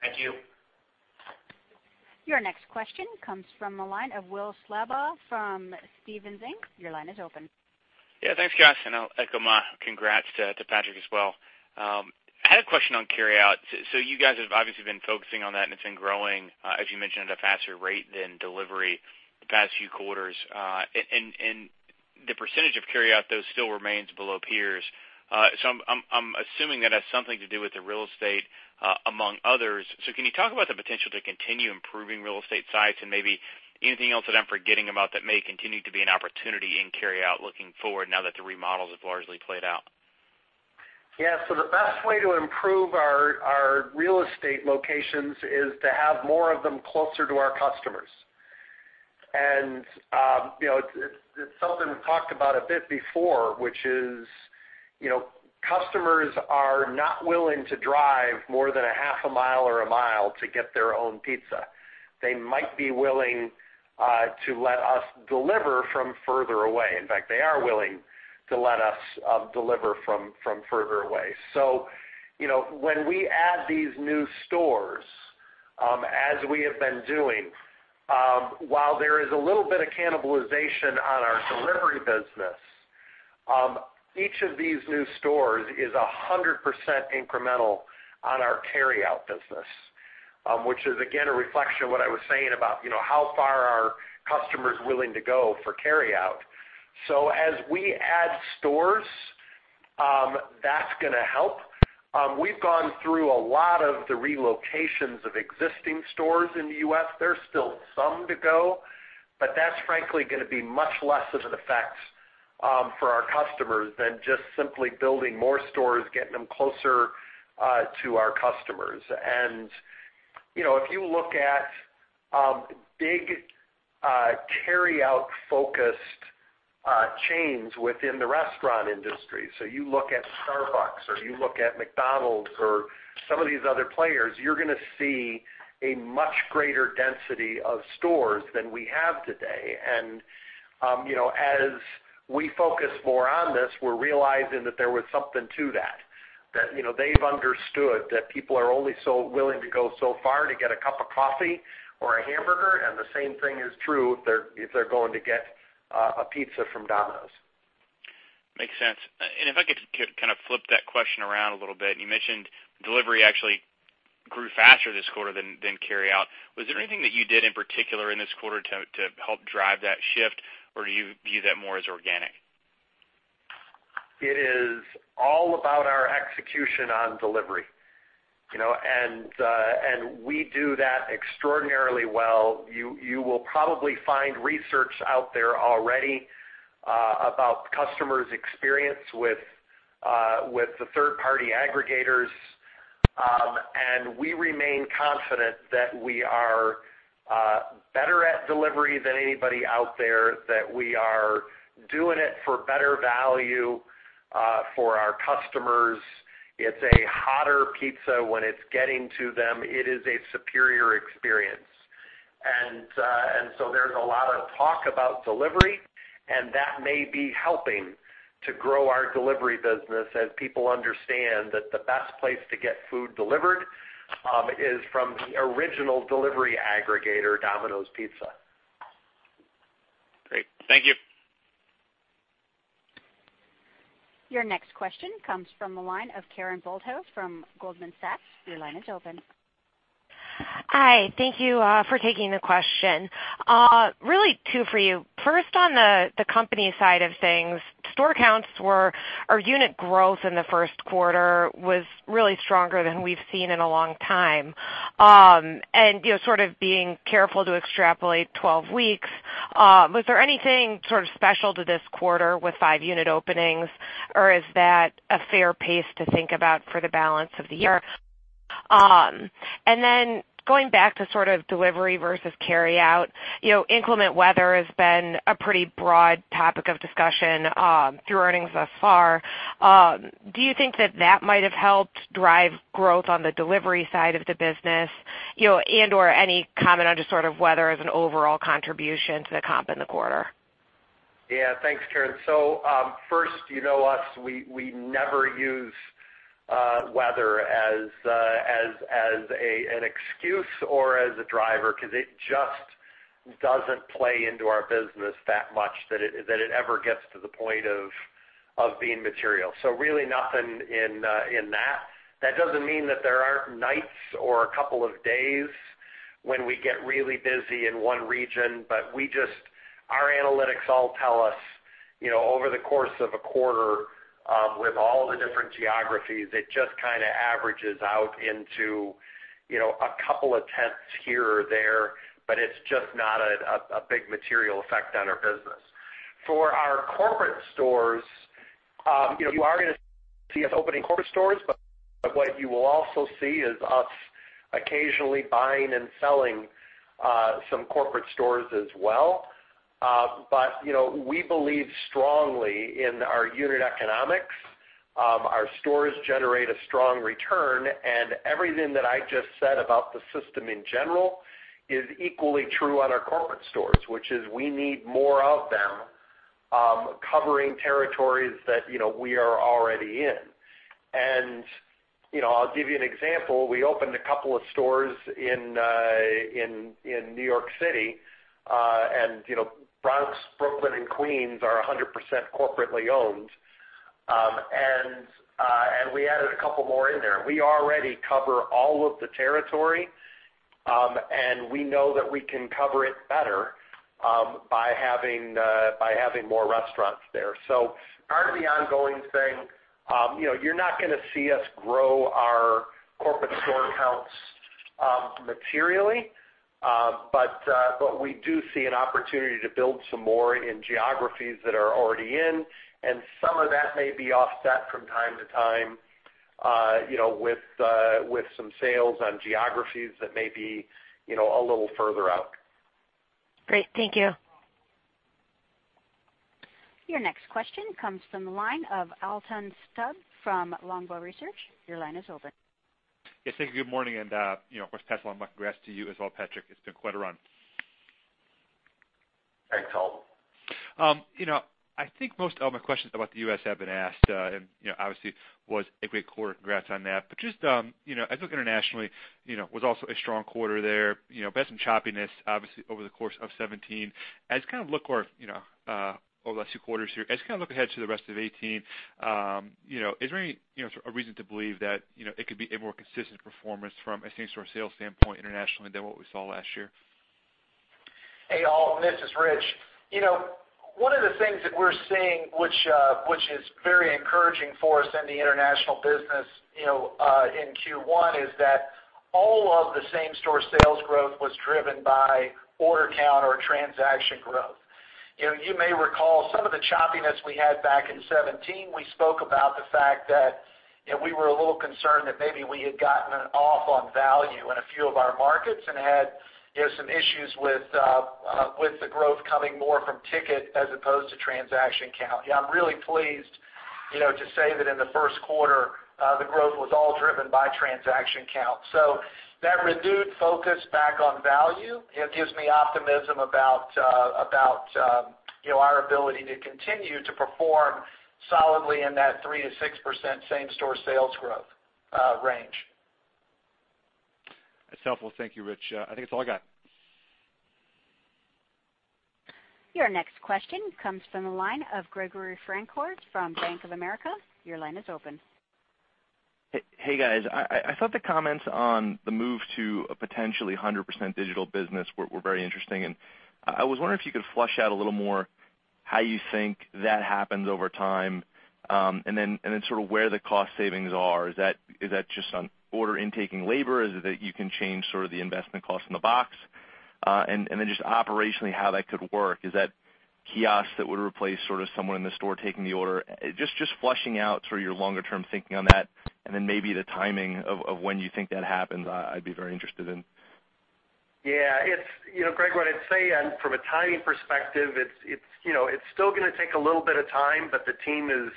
Thank you. Your next question comes from the line of Will Slabaugh from Stephens Inc. Your line is open. Yeah, thanks, guys. I'll echo my congrats to Patrick as well. I had a question on carryout. You guys have obviously been focusing on that, and it's been growing, as you mentioned, at a faster rate than delivery the past few quarters. The percentage of carryout, though, still remains below peers. I'm assuming that has something to do with the real estate among others. Can you talk about the potential to continue improving real estate sites and maybe anything else that I'm forgetting about that may continue to be an opportunity in carryout looking forward now that the remodels have largely played out? Yeah. The best way to improve our real estate locations is to have more of them closer to our customers. It's something we've talked about a bit before, which is customers are not willing to drive more than a half a mile or a mile to get their own pizza. They might be willing to let us deliver from further away. In fact, they are willing to let us deliver from further away. When we add these new stores, as we have been doing, while there is a little bit of cannibalization on our delivery business, each of these new stores is 100% incremental on our carryout business. Which is again, a reflection of what I was saying about how far are customers willing to go for carryout. As we add stores, that's going to help. We've gone through a lot of the relocations of existing stores in the U.S. There's still some to go, but that's frankly going to be much less of an effect for our customers than just simply building more stores, getting them closer to our customers. If you look at big carryout-focused chains within the restaurant industry, you look at Starbucks or you look at McDonald's or some of these other players, you're going to see a much greater density of stores than we have today. As we focus more on this, we're realizing that there was something to that. That they've understood that people are only so willing to go so far to get a cup of coffee or a hamburger, and the same thing is true if they're going to get a pizza from Domino's. Makes sense. If I could kind of flip that question around a little bit. You mentioned delivery actually grew faster this quarter than carryout. Was there anything that you did in particular in this quarter to help drive that shift, or do you view that more as organic? It is all about our execution on delivery. We do that extraordinarily well. You will probably find research out there already about customers' experience with the third-party aggregators. We remain confident that we are better at delivery than anybody out there, that we are doing it for better value for our customers. It's a hotter pizza when it's getting to them. It is a superior experience. There's a lot of talk about delivery, and that may be helping to grow our delivery business as people understand that the best place to get food delivered is from the original delivery aggregator, Domino's Pizza. Great. Thank you. Your next question comes from the line of Karen Holthouse from Goldman Sachs. Your line is open. Hi. Thank you for taking the question. Really two for you. First, on the company side of things, unit growth in the first quarter was really stronger than we've seen in a long time. Sort of being careful to extrapolate 12 weeks, was there anything sort of special to this quarter with five unit openings, or is that a fair pace to think about for the balance of the year? Then going back to sort of delivery versus carryout. Inclement weather has been a pretty broad topic of discussion through earnings thus far. Do you think that that might have helped drive growth on the delivery side of the business, and/or any comment on just sort of weather as an overall contribution to the comp in the quarter? Thanks, Karen. First, you know us, we never use weather as an excuse or as a driver because it just doesn't play into our business that much that it ever gets to the point of being material. Really nothing in that. That doesn't mean that there aren't nights or a couple of days when we get really busy in one region, but our analytics all tell us over the course of a quarter with all the different geographies, it just kind of averages out into a couple of tenths here or there, but it's just not a big material effect on our business. For our corporate stores, you are going to see us opening corporate stores, but what you will also see is us occasionally buying and selling some corporate stores as well. We believe strongly in our unit economics. Our stores generate a strong return, and everything that I just said about the system in general is equally true on our corporate stores, which is we need more of them, covering territories that we are already in. I'll give you an example. We opened a couple of stores in New York City, and Bronx, Brooklyn, and Queens are 100% corporately owned. We added a couple more in there. We already cover all of the territory, and we know that we can cover it better by having more restaurants there. Part of the ongoing thing, you're not going to see us grow our corporate store counts materially. We do see an opportunity to build some more in geographies that are already in, and some of that may be offset from time to time with some sales on geographies that may be a little further out. Great. Thank you. Your next question comes from the line of Alton Stump from Longbow Research. Your line is open. Yes, thank you. Good morning. First, Patrick, my congrats to you as well, Patrick. It's been quite a run. Thanks, Alton. I think most of my questions about the U.S. have been asked. Obviously it was a great quarter. Congrats on that. Just as I look internationally, it was also a strong quarter there. We had some choppiness, obviously, over the course of 2017. As I kind of look over the last 2 quarters here, as I kind of look ahead to the rest of 2018, is there any reason to believe that it could be a more consistent performance from a same-store sales standpoint internationally than what we saw last year? Hey, Alton, this is Rich. One of the things that we're seeing, which is very encouraging for us in the international business in Q1, is that all of the same-store sales growth was driven by order count or transaction growth. You may recall some of the choppiness we had back in 2017. We spoke about the fact that we were a little concerned that maybe we had gotten off on value in a few of our markets and had some issues with the growth coming more from ticket as opposed to transaction count. I'm really pleased to say that in the first quarter, the growth was all driven by transaction count. That renewed focus back on value, it gives me optimism about our ability to continue to perform solidly in that 3%-6% same-store sales growth range. It's helpful. Thank you, Rich. I think that's all I got. Your next question comes from the line of Gregory Francfort from Bank of America. Your line is open. Hey, guys. I thought the comments on the move to a potentially 100% digital business were very interesting, and I was wondering if you could flesh out a little more how you think that happens over time. Sort of where the cost savings are. Is that just on order intaking labor? Is it that you can change sort of the investment cost in the box? Just operationally how that could work. Is that kiosks that would replace someone in the store taking the order? Just fleshing out sort of your longer-term thinking on that, maybe the timing of when you think that happens, I'd be very interested in. Yeah. Greg, what I'd say, from a timing perspective, it's still going to take a little bit of time, the team is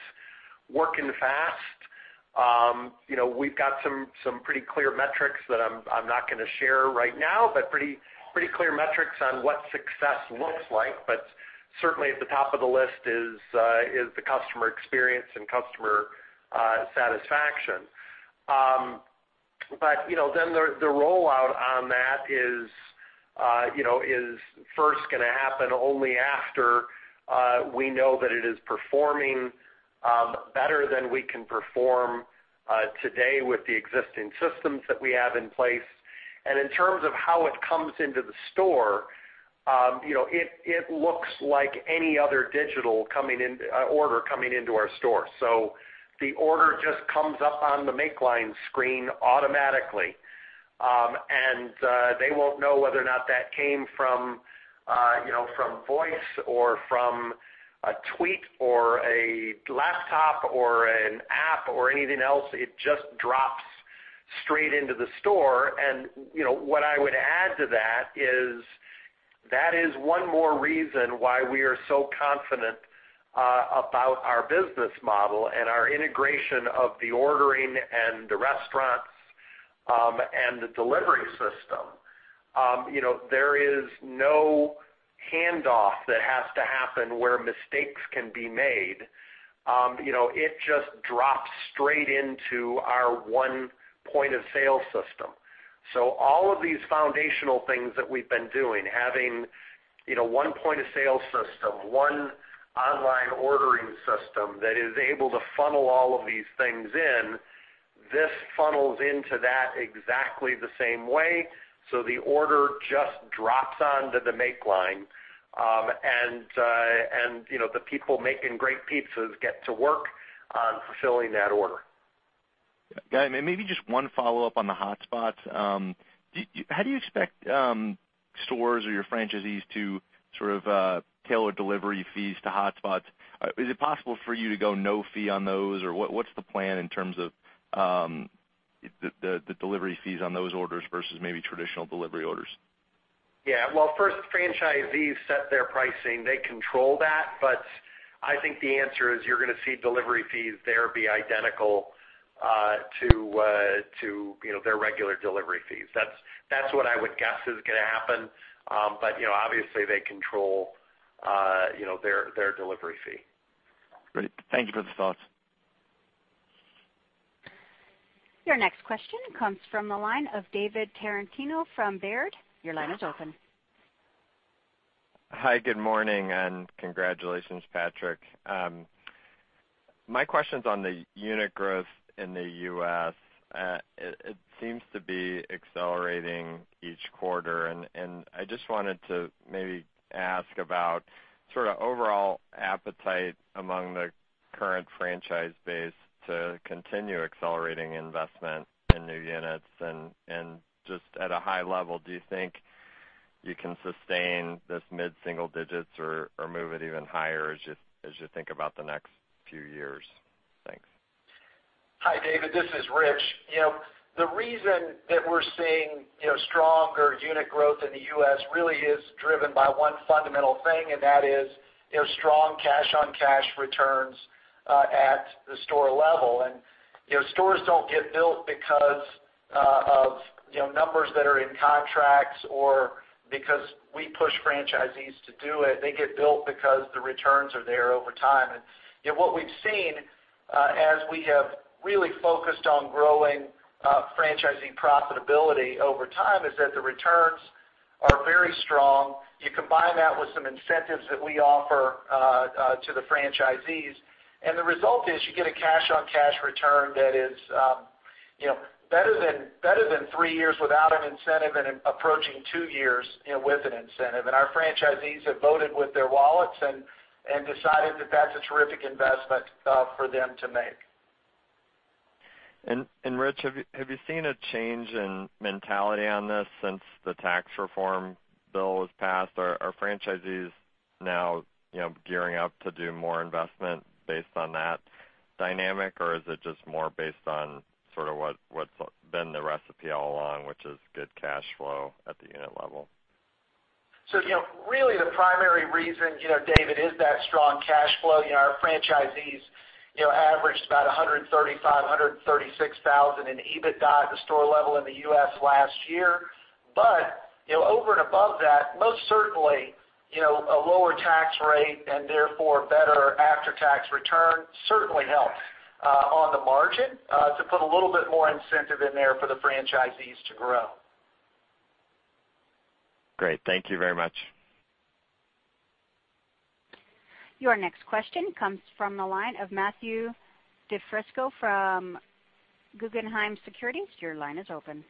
working fast. We've got some pretty clear metrics that I'm not going to share right now, pretty clear metrics on what success looks like. Certainly at the top of the list is the customer experience and customer satisfaction. The rollout on that is first going to happen only after we know that it is performing better than we can perform today with the existing systems that we have in place. In terms of how it comes into the store, it looks like any other digital order coming into our store. The order just comes up on the make line screen automatically. They won't know whether or not that came from voice, or from a tweet, or a laptop, or an app, or anything else. It just drops straight into the store. What I would add to that is, that is one more reason why we are so confident about our business model and our integration of the ordering and the restaurants and the delivery system. There is no handoff that has to happen where mistakes can be made. It just drops straight into our one point of sale system. All of these foundational things that we've been doing, having one point of sale system, one online ordering system that is able to funnel all of these things in, this funnels into that exactly the same way. The order just drops onto the make line. The people making great pizzas get to work on fulfilling that order. Got it. Maybe just one follow-up on the hotspots. How do you expect stores or your franchisees to sort of tailor delivery fees to hotspots? Is it possible for you to go no fee on those, or what's the plan in terms of the delivery fees on those orders versus maybe traditional delivery orders? Yeah. Well, first, franchisees set their pricing. They control that. I think the answer is you're going to see delivery fees there be identical to their regular delivery fees. That's what I would guess is going to happen. Obviously, they control their delivery fee. Great. Thank you for the thoughts. Your next question comes from the line of David Tarantino from Baird. Your line is open. Hi, good morning, and congratulations, Patrick. My question's on the unit growth in the U.S. It seems to be accelerating each quarter, and I just wanted to maybe ask about sort of overall appetite among the current franchise base to continue accelerating investment in new units and just at a high level, do you think you can sustain this mid-single digits or move it even higher as you think about the next few years? Thanks. Hi, David, this is Rich. The reason that we're seeing stronger unit growth in the U.S. really is driven by one fundamental thing, and that is strong cash-on-cash returns at the store level. Stores don't get built because of numbers that are in contracts or because we push franchisees to do it. They get built because the returns are there over time. What we've seen, as we have really focused on growing franchising profitability over time, is that the returns are very strong. You combine that with some incentives that we offer to the franchisees, and the result is you get a cash-on-cash return that is better than three years without an incentive and approaching two years with an incentive. Our franchisees have voted with their wallets and decided that that's a terrific investment for them to make. Rich, have you seen a change in mentality on this since the tax reform bill was passed? Are franchisees now gearing up to do more investment based on that dynamic, or is it just more based on sort of what's been the recipe all along, which is good cash flow at the unit level? The primary reason, David Tarantino, is that strong cash flow. Our franchisees averaged about $135,000, $136,000 in EBITDA at the store level in the U.S. last year. Over and above that, most certainly, a lower tax rate and therefore better after-tax return, certainly helps on the margin to put a little bit more incentive in there for the franchisees to grow. Great. Thank you very much. Your next question comes from the line of Matthew DiFrisco from Guggenheim Securities. Your line is open.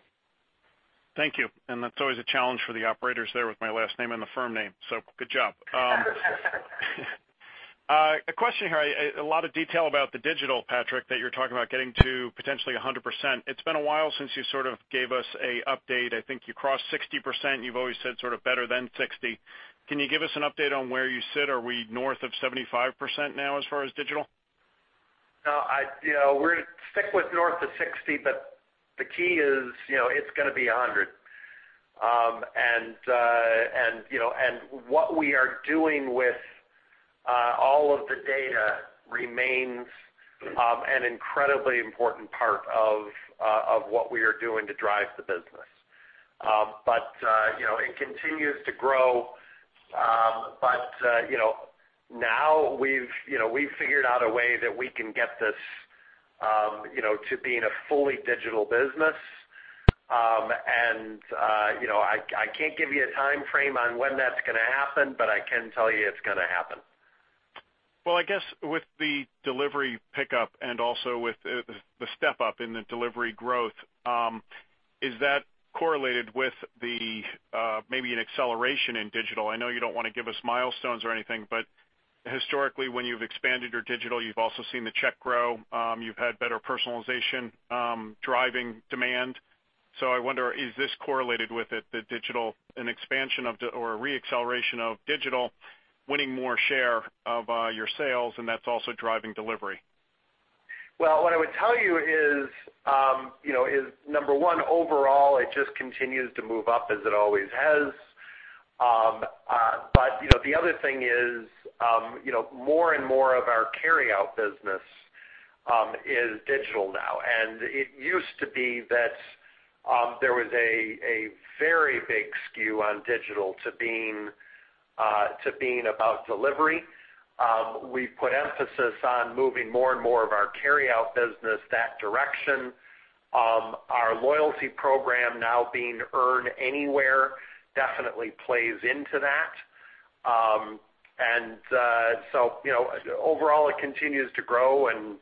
Thank you. That's always a challenge for the operators there with my last name and the firm name. Good job. A question here, a lot of detail about the digital, Patrick, that you're talking about getting to potentially 100%. It's been a while since you gave us an update. I think you crossed 60%, you've always said better than 60%. Can you give us an update on where you sit? Are we north of 75% now as far as digital? No, we're going to stick with north of 60%, the key is, it's going to be 100%. What we are doing with all of the data remains an incredibly important part of what we are doing to drive the business. It continues to grow. Now we've figured out a way that we can get this to being a fully digital business. I can't give you a timeframe on when that's going to happen, but I can tell you it's going to happen. Well, I guess with the delivery pickup and also with the step-up in the delivery growth, is that correlated with maybe an acceleration in digital? I know you don't want to give us milestones or anything, historically, when you've expanded your digital, you've also seen the check grow. You've had better personalization, driving demand. I wonder, is this correlated with it, the digital, an expansion of, or a re-acceleration of digital winning more share of your sales, and that's also driving delivery? Well, what I would tell you is, number one, overall, it just continues to move up as it always has. The other thing is more and more of our carryout business is digital now. It used to be that there was a very big skew on digital to being about delivery. We've put emphasis on moving more and more of our carryout business that direction. Our loyalty program now being earned anywhere definitely plays into that. Overall, it continues to grow, and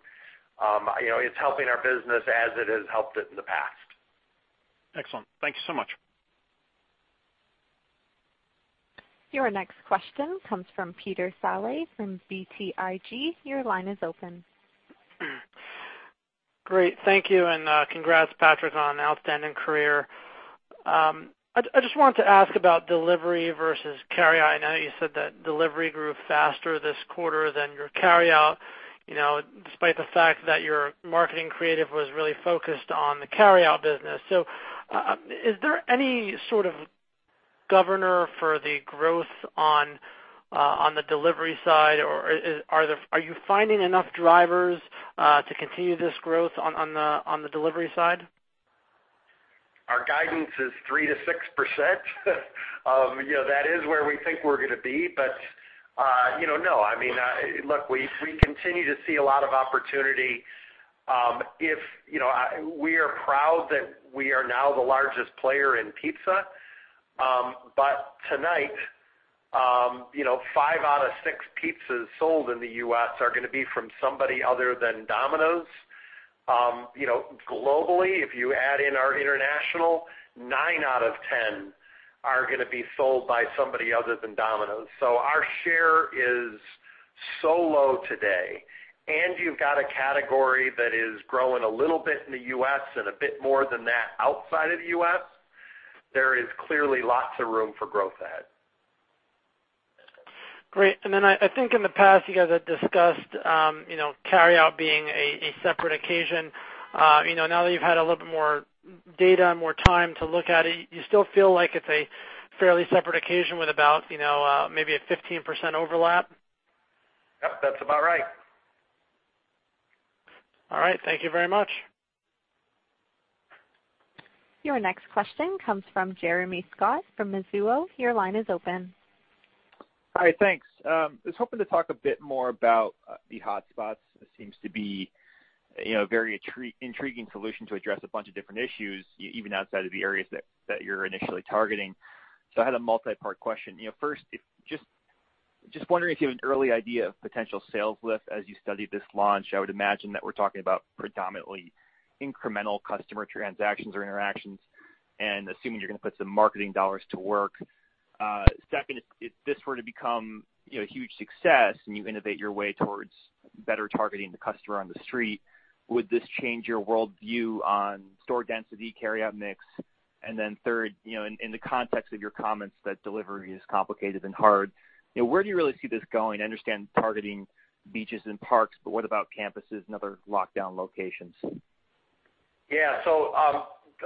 it's helping our business as it has helped it in the past. Excellent. Thank you so much. Your next question comes from Peter Saleh from BTIG. Your line is open. Great. Thank you, and congrats, Patrick, on an outstanding career. I just wanted to ask about delivery versus carryout. I know you said that delivery grew faster this quarter than your carryout, despite the fact that your marketing creative was really focused on the carryout business. Is there any sort of governor for the growth on the delivery side, or are you finding enough drivers to continue this growth on the delivery side? Our guidance is 3% to 6%. That is where we think we're going to be. No. I mean, look, we continue to see a lot of opportunity. We are proud that we are now the largest player in pizza. Tonight, five out of six pizzas sold in the U.S. are going to be from somebody other than Domino's. Globally, if you add in our international, nine out of 10 are going to be sold by somebody other than Domino's. Our share is so low today, and you've got a category that is growing a little bit in the U.S. and a bit more than that outside of the U.S. There is clearly lots of room for growth ahead. Great. I think in the past, you guys have discussed carryout being a separate occasion. Now that you've had a little bit more data and more time to look at it, you still feel like it's a fairly separate occasion with about maybe a 15% overlap? Yep. That's about right. All right. Thank you very much. Your next question comes from Jeremy Scott from Mizuho. Your line is open. Thanks. I was hoping to talk a bit more about the hotspots. It seems to be a very intriguing solution to address a bunch of different issues, even outside of the areas that you're initially targeting. I had a multi-part question. First, just wondering if you have an early idea of potential sales lift as you studied this launch. I would imagine that we're talking about predominantly incremental customer transactions or interactions, assuming you're going to put some marketing dollars to work. Second, if this were to become a huge success and you innovate your way towards better targeting the customer on the street, would this change your worldview on store density, carryout mix? Third, in the context of your comments that delivery is complicated and hard, where do you really see this going? I understand targeting beaches and parks, what about campuses and other lockdown locations?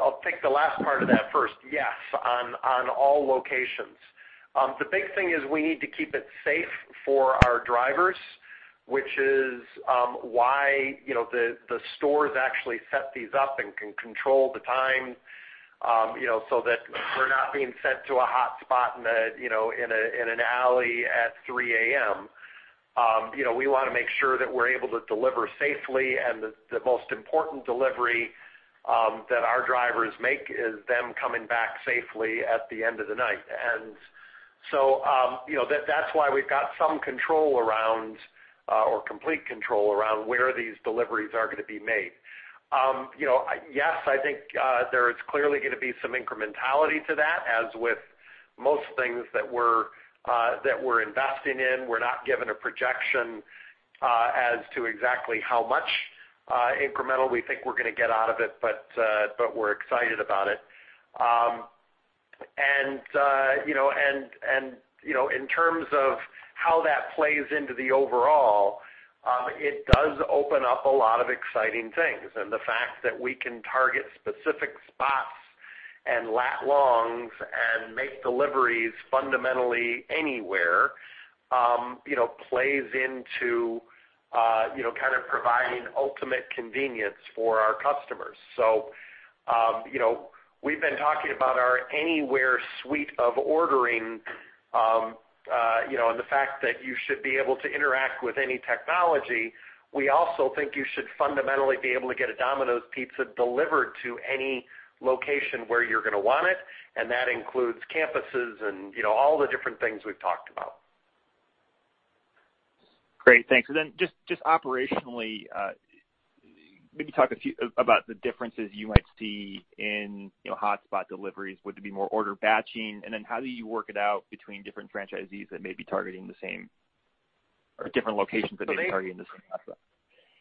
I'll take the last part of that first. Yes, on all locations. The big thing is we need to keep it safe for our drivers Which is why the stores actually set these up and can control the time, so that we're not being sent to a hotspot in an alley at 3:00 a.m. We want to make sure that we're able to deliver safely, and the most important delivery that our drivers make is them coming back safely at the end of the night. That's why we've got some control around, or complete control around where these deliveries are going to be made. Yes, I think there is clearly going to be some incrementality to that, as with most things that we're investing in. We're not given a projection as to exactly how much incremental we think we're going to get out of it, but we're excited about it. In terms of how that plays into the overall, it does open up a lot of exciting things, and the fact that we can target specific spots and lat-longs and make deliveries fundamentally anywhere plays into kind of providing ultimate convenience for our customers. We've been talking about our AnyWare suite of ordering, and the fact that you should be able to interact with any technology. We also think you should fundamentally be able to get a Domino's Pizza delivered to any location where you're going to want it, and that includes campuses and all the different things we've talked about. Great. Thanks. Just operationally, maybe talk a few about the differences you might see in hotspot deliveries. Would there be more order batching? How do you work it out between different franchisees that may be targeting the same or different locations that may be targeting the same hotspot?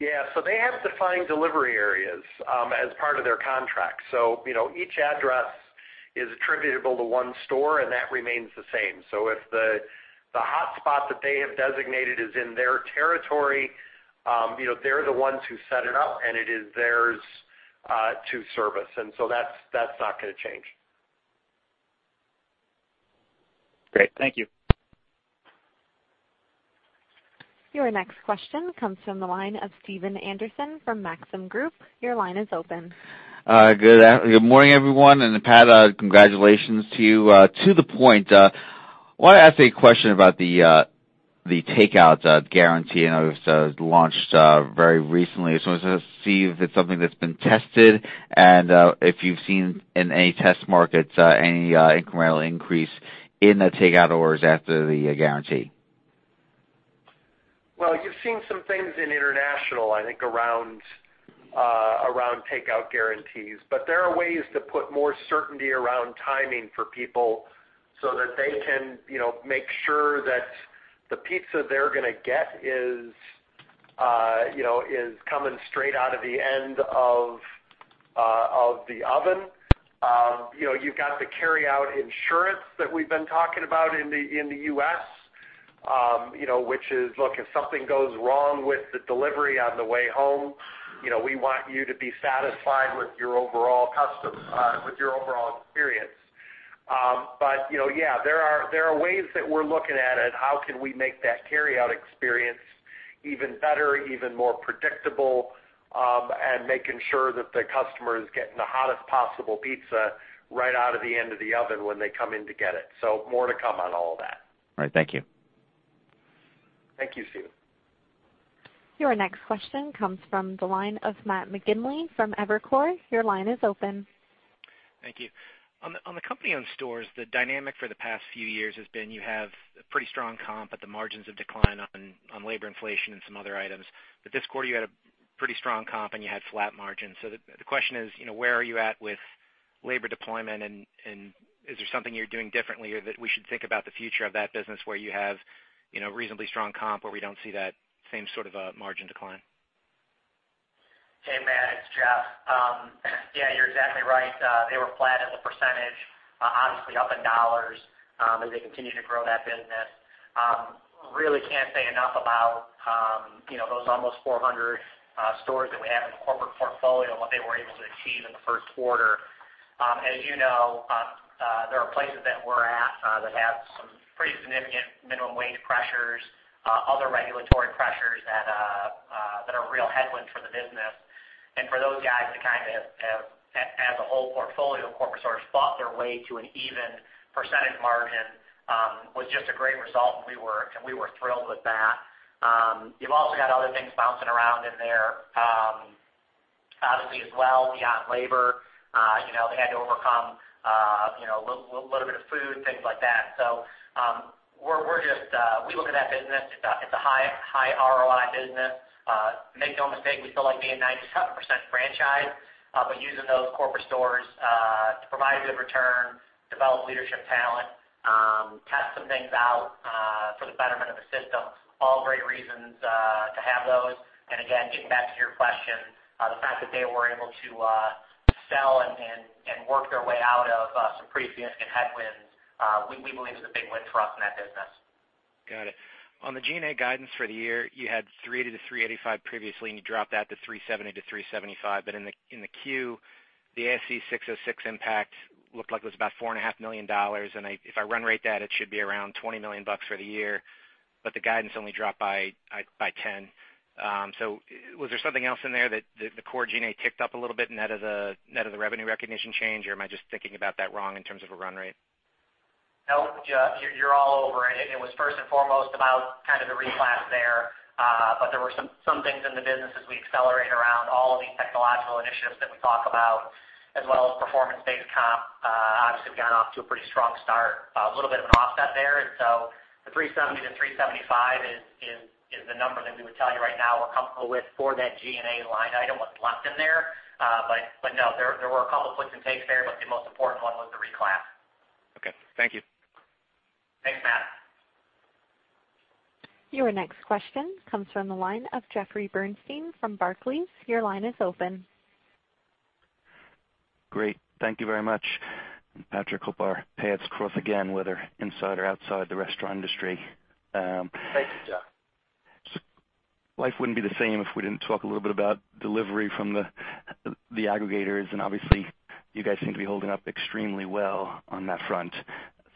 Yeah. They have defined delivery areas as part of their contract. Each address is attributable to one store, and that remains the same. If the hotspot that they have designated is in their territory, they're the ones who set it up, and it is theirs to service. That's not going to change. Great. Thank you. Your next question comes from the line of Stephen Anderson from Maxim Group. Your line is open. Good morning, everyone, and Pat, congratulations to you. To the point, I want to ask a question about the takeout guarantee. I know it was launched very recently. I just want to see if it's something that's been tested and if you've seen in any test markets any incremental increase in the takeout orders after the guarantee. Well, you've seen some things in international, I think, around takeout guarantees. There are ways to put more certainty around timing for people so that they can make sure that the pizza they're going to get is coming straight out of the end of the oven. You've got the carryout insurance that we've been talking about in the U.S., which is, look, if something goes wrong with the delivery on the way home, we want you to be satisfied with your overall experience. Yeah, there are ways that we're looking at it. How can we make that carryout experience even better, even more predictable, and making sure that the customer is getting the hottest possible pizza right out of the end of the oven when they come in to get it? More to come on all of that. All right. Thank you. Thank you, Stephen Anderson. Your next question comes from the line of Matt McGinley from Evercore. Your line is open. Thank you. On the company-owned stores, the dynamic for the past few years has been you have a pretty strong comp, the margins have declined on labor inflation and some other items. This quarter, you had a pretty strong comp, you had flat margins. The question is, where are you at with labor deployment? Is there something you're doing differently, or that we should think about the future of that business where you have reasonably strong comp, where we don't see that same sort of a margin decline? Hey, Matt, it's Jeff. You're exactly right. They were flat as a percentage. Obviously up in dollars as they continue to grow that business. Really can't say enough about those almost 400 stores that we have in the corporate portfolio and what they were able to achieve in the first quarter. As you know, there are places that we're at that have some pretty significant minimum wage pressures, other regulatory pressures that are a real headwind for the business. For those guys to kind of have, as a whole portfolio of corporate stores, fought their way to an even percentage margin, was just a great result, and we were thrilled with that. You've also got other things bouncing around in there. Obviously, as well, beyond labor, they had to overcome a little bit of food, things like that. We look at that business, it's a high ROI business. Make no mistake, we still like being 97% franchise. Using those corporate stores to provide a good return, develop leadership talent, test some things out for the betterment of the system, all great reasons to have those. Again, getting back to your question, the fact that they were able to sell and work their way out of some pretty significant headwinds, we believe is a big win for us in that business. Got it. On the G&A guidance for the year, you had $380-$385 previously, you dropped that to $370-$375. In the Q The ASC 606 impact looked like it was about $4.5 million. If I run rate that, it should be around $20 million for the year, the guidance only dropped by $10. Was there something else in there that the core G&A ticked up a little bit net of the revenue recognition change, or am I just thinking about that wrong in terms of a run rate? No, Jeff, you're all over it. It was first and foremost about the reclass there. There were some things in the business as we accelerate around all of these technological initiatives that we talk about, as well as performance-based comp, obviously have gotten off to a pretty strong start. A little bit of an offset there. The $370-$375 is the number that we would tell you right now we're comfortable with for that G&A line item, what's left in there. No, there were a couple of gives and takes there, but the most important one was the reclass. Okay, thank you. Thanks, Matt. Your next question comes from the line of Jeffrey Bernstein from Barclays. Your line is open. Great. Thank you very much. Patrick, hope our paths cross again, whether inside or outside the restaurant industry. Thank you, Jeff. Life wouldn't be the same if we didn't talk a little bit about delivery from the aggregators, and obviously you guys seem to be holding up extremely well on that front.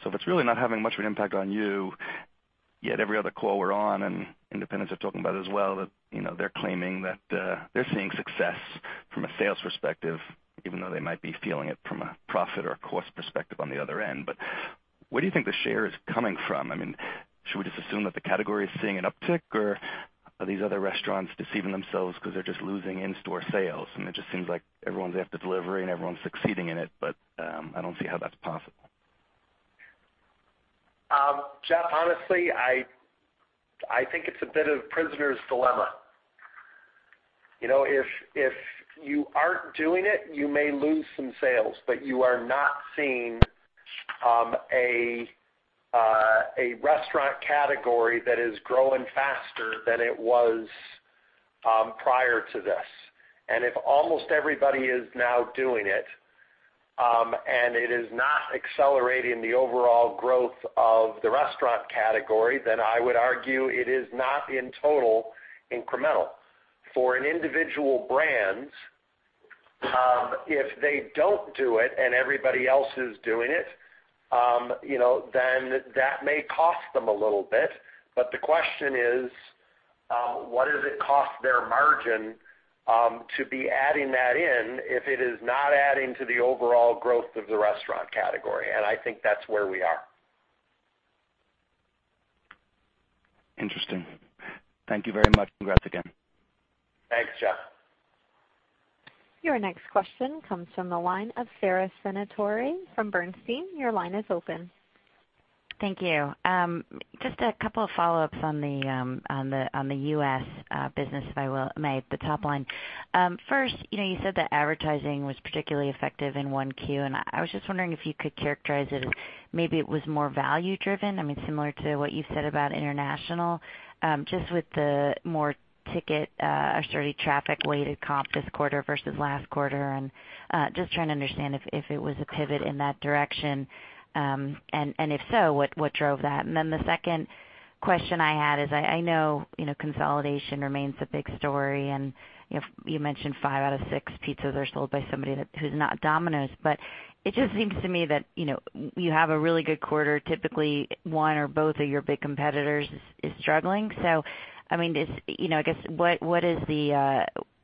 If it's really not having much of an impact on you, yet every other call we're on, and independents are talking about it as well, that they're claiming that they're seeing success from a sales perspective, even though they might be feeling it from a profit or a cost perspective on the other end. Where do you think the share is coming from? Should we just assume that the category is seeing an uptick, or are these other restaurants deceiving themselves because they're just losing in-store sales? It just seems like everyone's after delivery and everyone's succeeding in it, but I don't see how that's possible. Jeff, honestly, I think it's a bit of prisoner's dilemma. If you aren't doing it, you may lose some sales, but you are not seeing a restaurant category that is growing faster than it was prior to this. If almost everybody is now doing it, and it is not accelerating the overall growth of the restaurant category, then I would argue it is not in total incremental. For an individual brand, if they don't do it and everybody else is doing it, then that may cost them a little bit. The question is: What does it cost their margin to be adding that in if it is not adding to the overall growth of the restaurant category? I think that's where we are. Interesting. Thank you very much. Congrats again. Thanks, Jeff. Your next question comes from the line of Sara Senatore from Bernstein. Your line is open. Thank you. Just a couple of follow-ups on the U.S. business, if I may, the top line. First, you said that advertising was particularly effective in Q1, I was just wondering if you could characterize it as maybe it was more value driven, similar to what you said about international, just with the more ticket or sturdy traffic weighted comp this quarter versus last quarter, just trying to understand if it was a pivot in that direction? If so, what drove that? The second question I had is, I know consolidation remains a big story, you mentioned five out of six pizzas are sold by somebody who's not Domino's. It just seems to me that you have a really good quarter, typically one or both of your big competitors is struggling. I guess, what is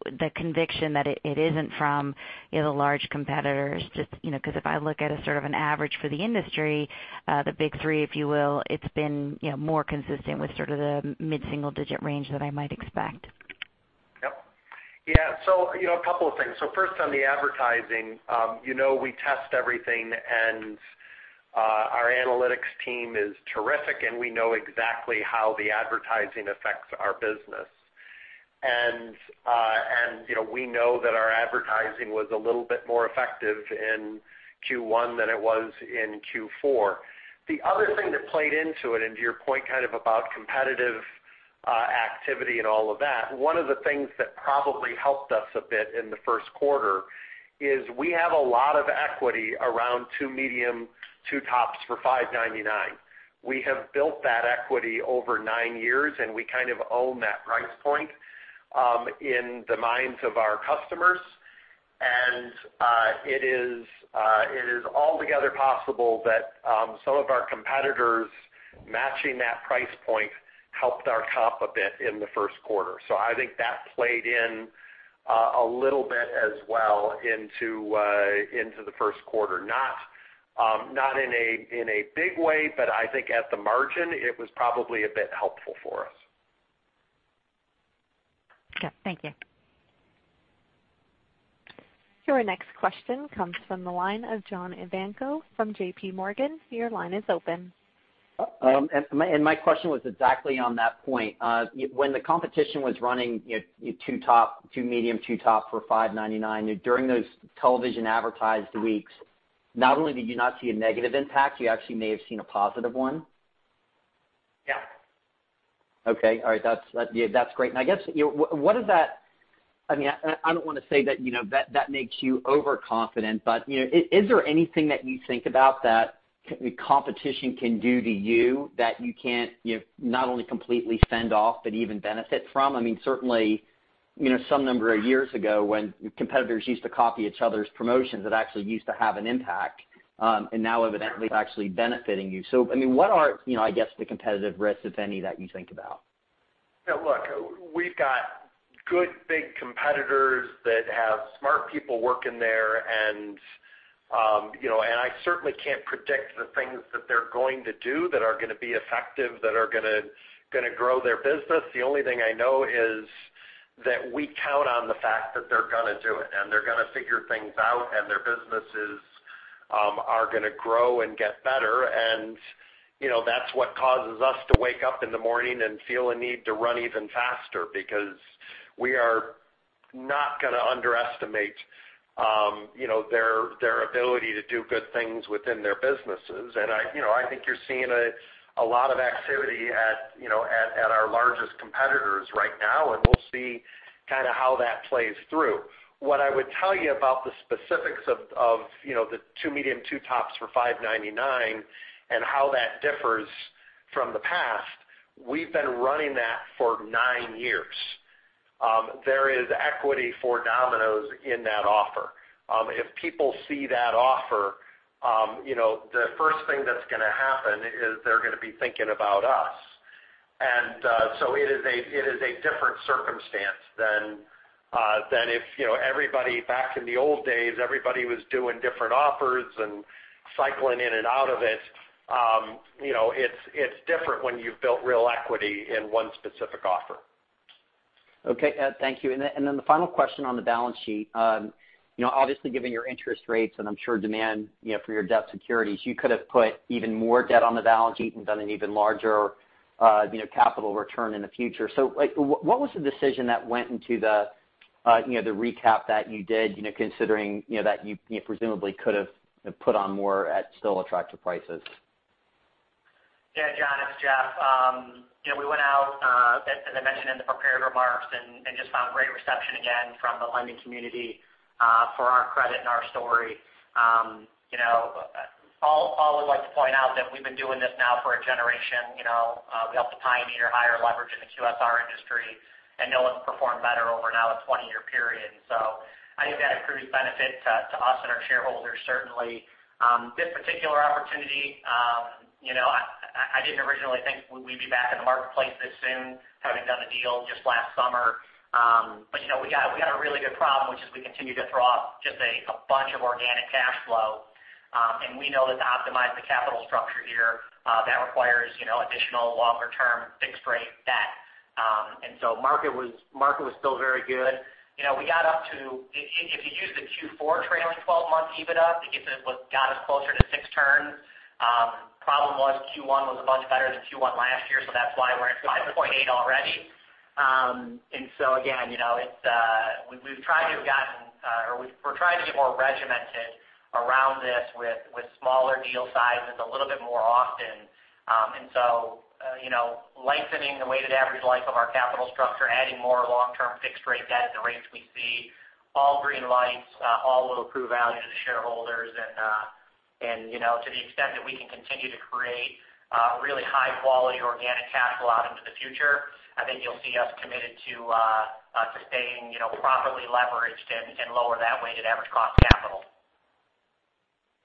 the conviction that it isn't from the large competitors? Just because if I look at a sort of an average for the industry, the big three, if you will, it's been more consistent with sort of the mid-single-digit range that I might expect. Yep. Yeah. A couple of things. First on the advertising. You know we test everything and our analytics team is terrific, and we know exactly how the advertising affects our business. We know that our advertising was a little bit more effective in Q1 than it was in Q4. The other thing that played into it, and to your point kind of about competitive activity and all of that, one of the things that probably helped us a bit in the first quarter is we have a lot of equity around 2 medium, 2 tops for $5.99. We have built that equity over nine years, and we kind of own that price point in the minds of our customers. It is altogether possible that some of our competitors matching that price point helped our comp a bit in the first quarter. I think that played in a little bit as well into the first quarter. Not in a big way, but I think at the margin, it was probably a bit helpful for us. Okay. Thank you. Your next question comes from the line of John Ivankoe from JP Morgan. Your line is open. My question was exactly on that point. When the competition was running two medium, two top for $5.99 during those television advertised weeks, not only did you not see a negative impact, you actually may have seen a positive one? Yeah. Okay. All right. That's great. I guess, I don't want to say that makes you overconfident, but is there anything that you think about that competition can do to you that you can't, not only completely fend off, but even benefit from? Some number of years ago, when competitors used to copy each other's promotions, it actually used to have an impact. Now evidently it's actually benefiting you. What are the competitive risks, if any, that you think about? Look, we've got good, big competitors that have smart people working there, I certainly can't predict the things that they're going to do that are going to be effective, that are going to grow their business. The only thing I know is that we count on the fact that they're going to do it, they're going to figure things out, their businesses are going to grow and get better. That's what causes us to wake up in the morning and feel a need to run even faster, because we are not going to underestimate their ability to do good things within their businesses. I think you're seeing a lot of activity at our largest competitors right now, we'll see how that plays through. What I would tell you about the specifics of the two medium, two tops for $5.99 and how that differs from the past, we've been running that for nine years. There is equity for Domino's in that offer. If people see that offer, the first thing that's going to happen is they're going to be thinking about us. It is a different circumstance than if everybody back in the old days, everybody was doing different offers and cycling in and out of it. It's different when you've built real equity in one specific offer. Okay. Thank you. The final question on the balance sheet. Obviously given your interest rates and I'm sure demand for your debt securities, you could have put even more debt on the balance sheet and done an even larger capital return in the future. What was the decision that went into the recap that you did, considering that you presumably could have put on more at still attractive prices? Yeah, John, it's Jeff. We went out, as I mentioned in the prepared remarks, and just found great reception again from the lending community for our credit and our story. Paul would like to point out that we've been doing this now for a generation. We helped to pioneer higher leverage in the QSR industry, and no one's performed better over now a 20-year period. I think that accrues benefit to us and our shareholders, certainly. This particular opportunity, I didn't originally think we'd be back in the marketplace this soon, having done a deal just last summer. We got a really good problem, which is we continue to throw off just a bunch of organic cash flow. We know that to optimize the capital structure here, that requires additional longer-term fixed rate debt. Market was still very good. We got up to, if you use the Q4 trailing 12 months EBITDA, it gets it what got us closer to six turns. Problem was Q1 was a bunch better than Q1 last year, that's why we're at 5.8 already. Again, we're trying to get more regimented around this with smaller deal sizes a little bit more often. Lengthening the weighted average life of our capital structure, adding more long-term fixed rate debt at the rates we see, all green lights, all will accrue value to the shareholders. To the extent that we can continue to create really high-quality organic cash flow out into the future, I think you'll see us committed to staying properly leveraged and lower that weighted average cost of capital.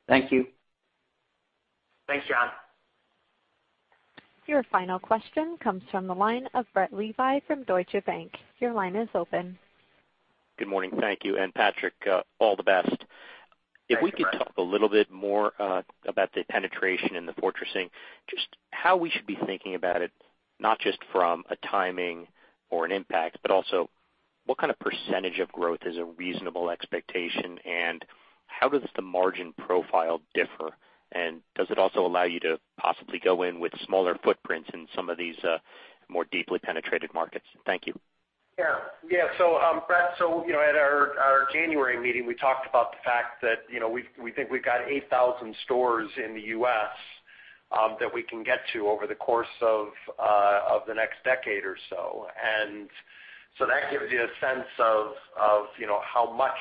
Thank you. Thanks, John. Your final question comes from the line of Brett Levy from Deutsche Bank. Your line is open. Good morning. Thank you. Patrick, all the best. Thanks, Brett. If we could talk a little bit more about the penetration and the fortressing, just how we should be thinking about it, not just from a timing or an impact, but also what kind of % of growth is a reasonable expectation, how does the margin profile differ? Does it also allow you to possibly go in with smaller footprints in some of these more deeply penetrated markets? Thank you. Yeah. Brett, at our January meeting, we talked about the fact that we think we've got 8,000 stores in the U.S. that we can get to over the course of the next decade or so. That gives you a sense of how much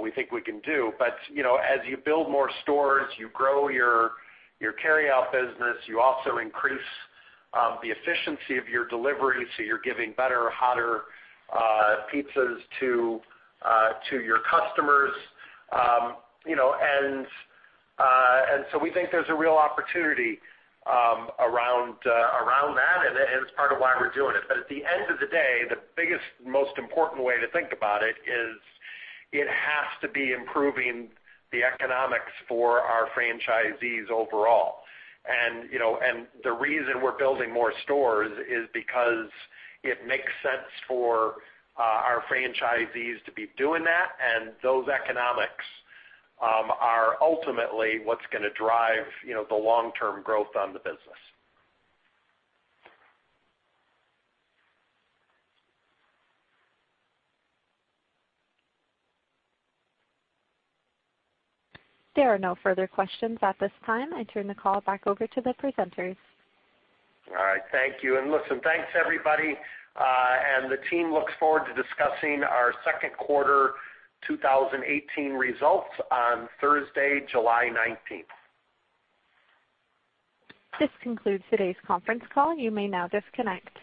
we think we can do. As you build more stores, you grow your carry-out business. You also increase the efficiency of your delivery, so you're giving better, hotter pizzas to your customers. We think there's a real opportunity around that, and it's part of why we're doing it. At the end of the day, the biggest, most important way to think about it is, it has to be improving the economics for our franchisees overall. The reason we're building more stores is because it makes sense for our franchisees to be doing that, and those economics are ultimately what's going to drive the long-term growth on the business. There are no further questions at this time. I turn the call back over to the presenters. Thank you. Listen, thanks, everybody, and the team looks forward to discussing our second quarter 2018 results on Thursday, July 19th. This concludes today's conference call. You may now disconnect.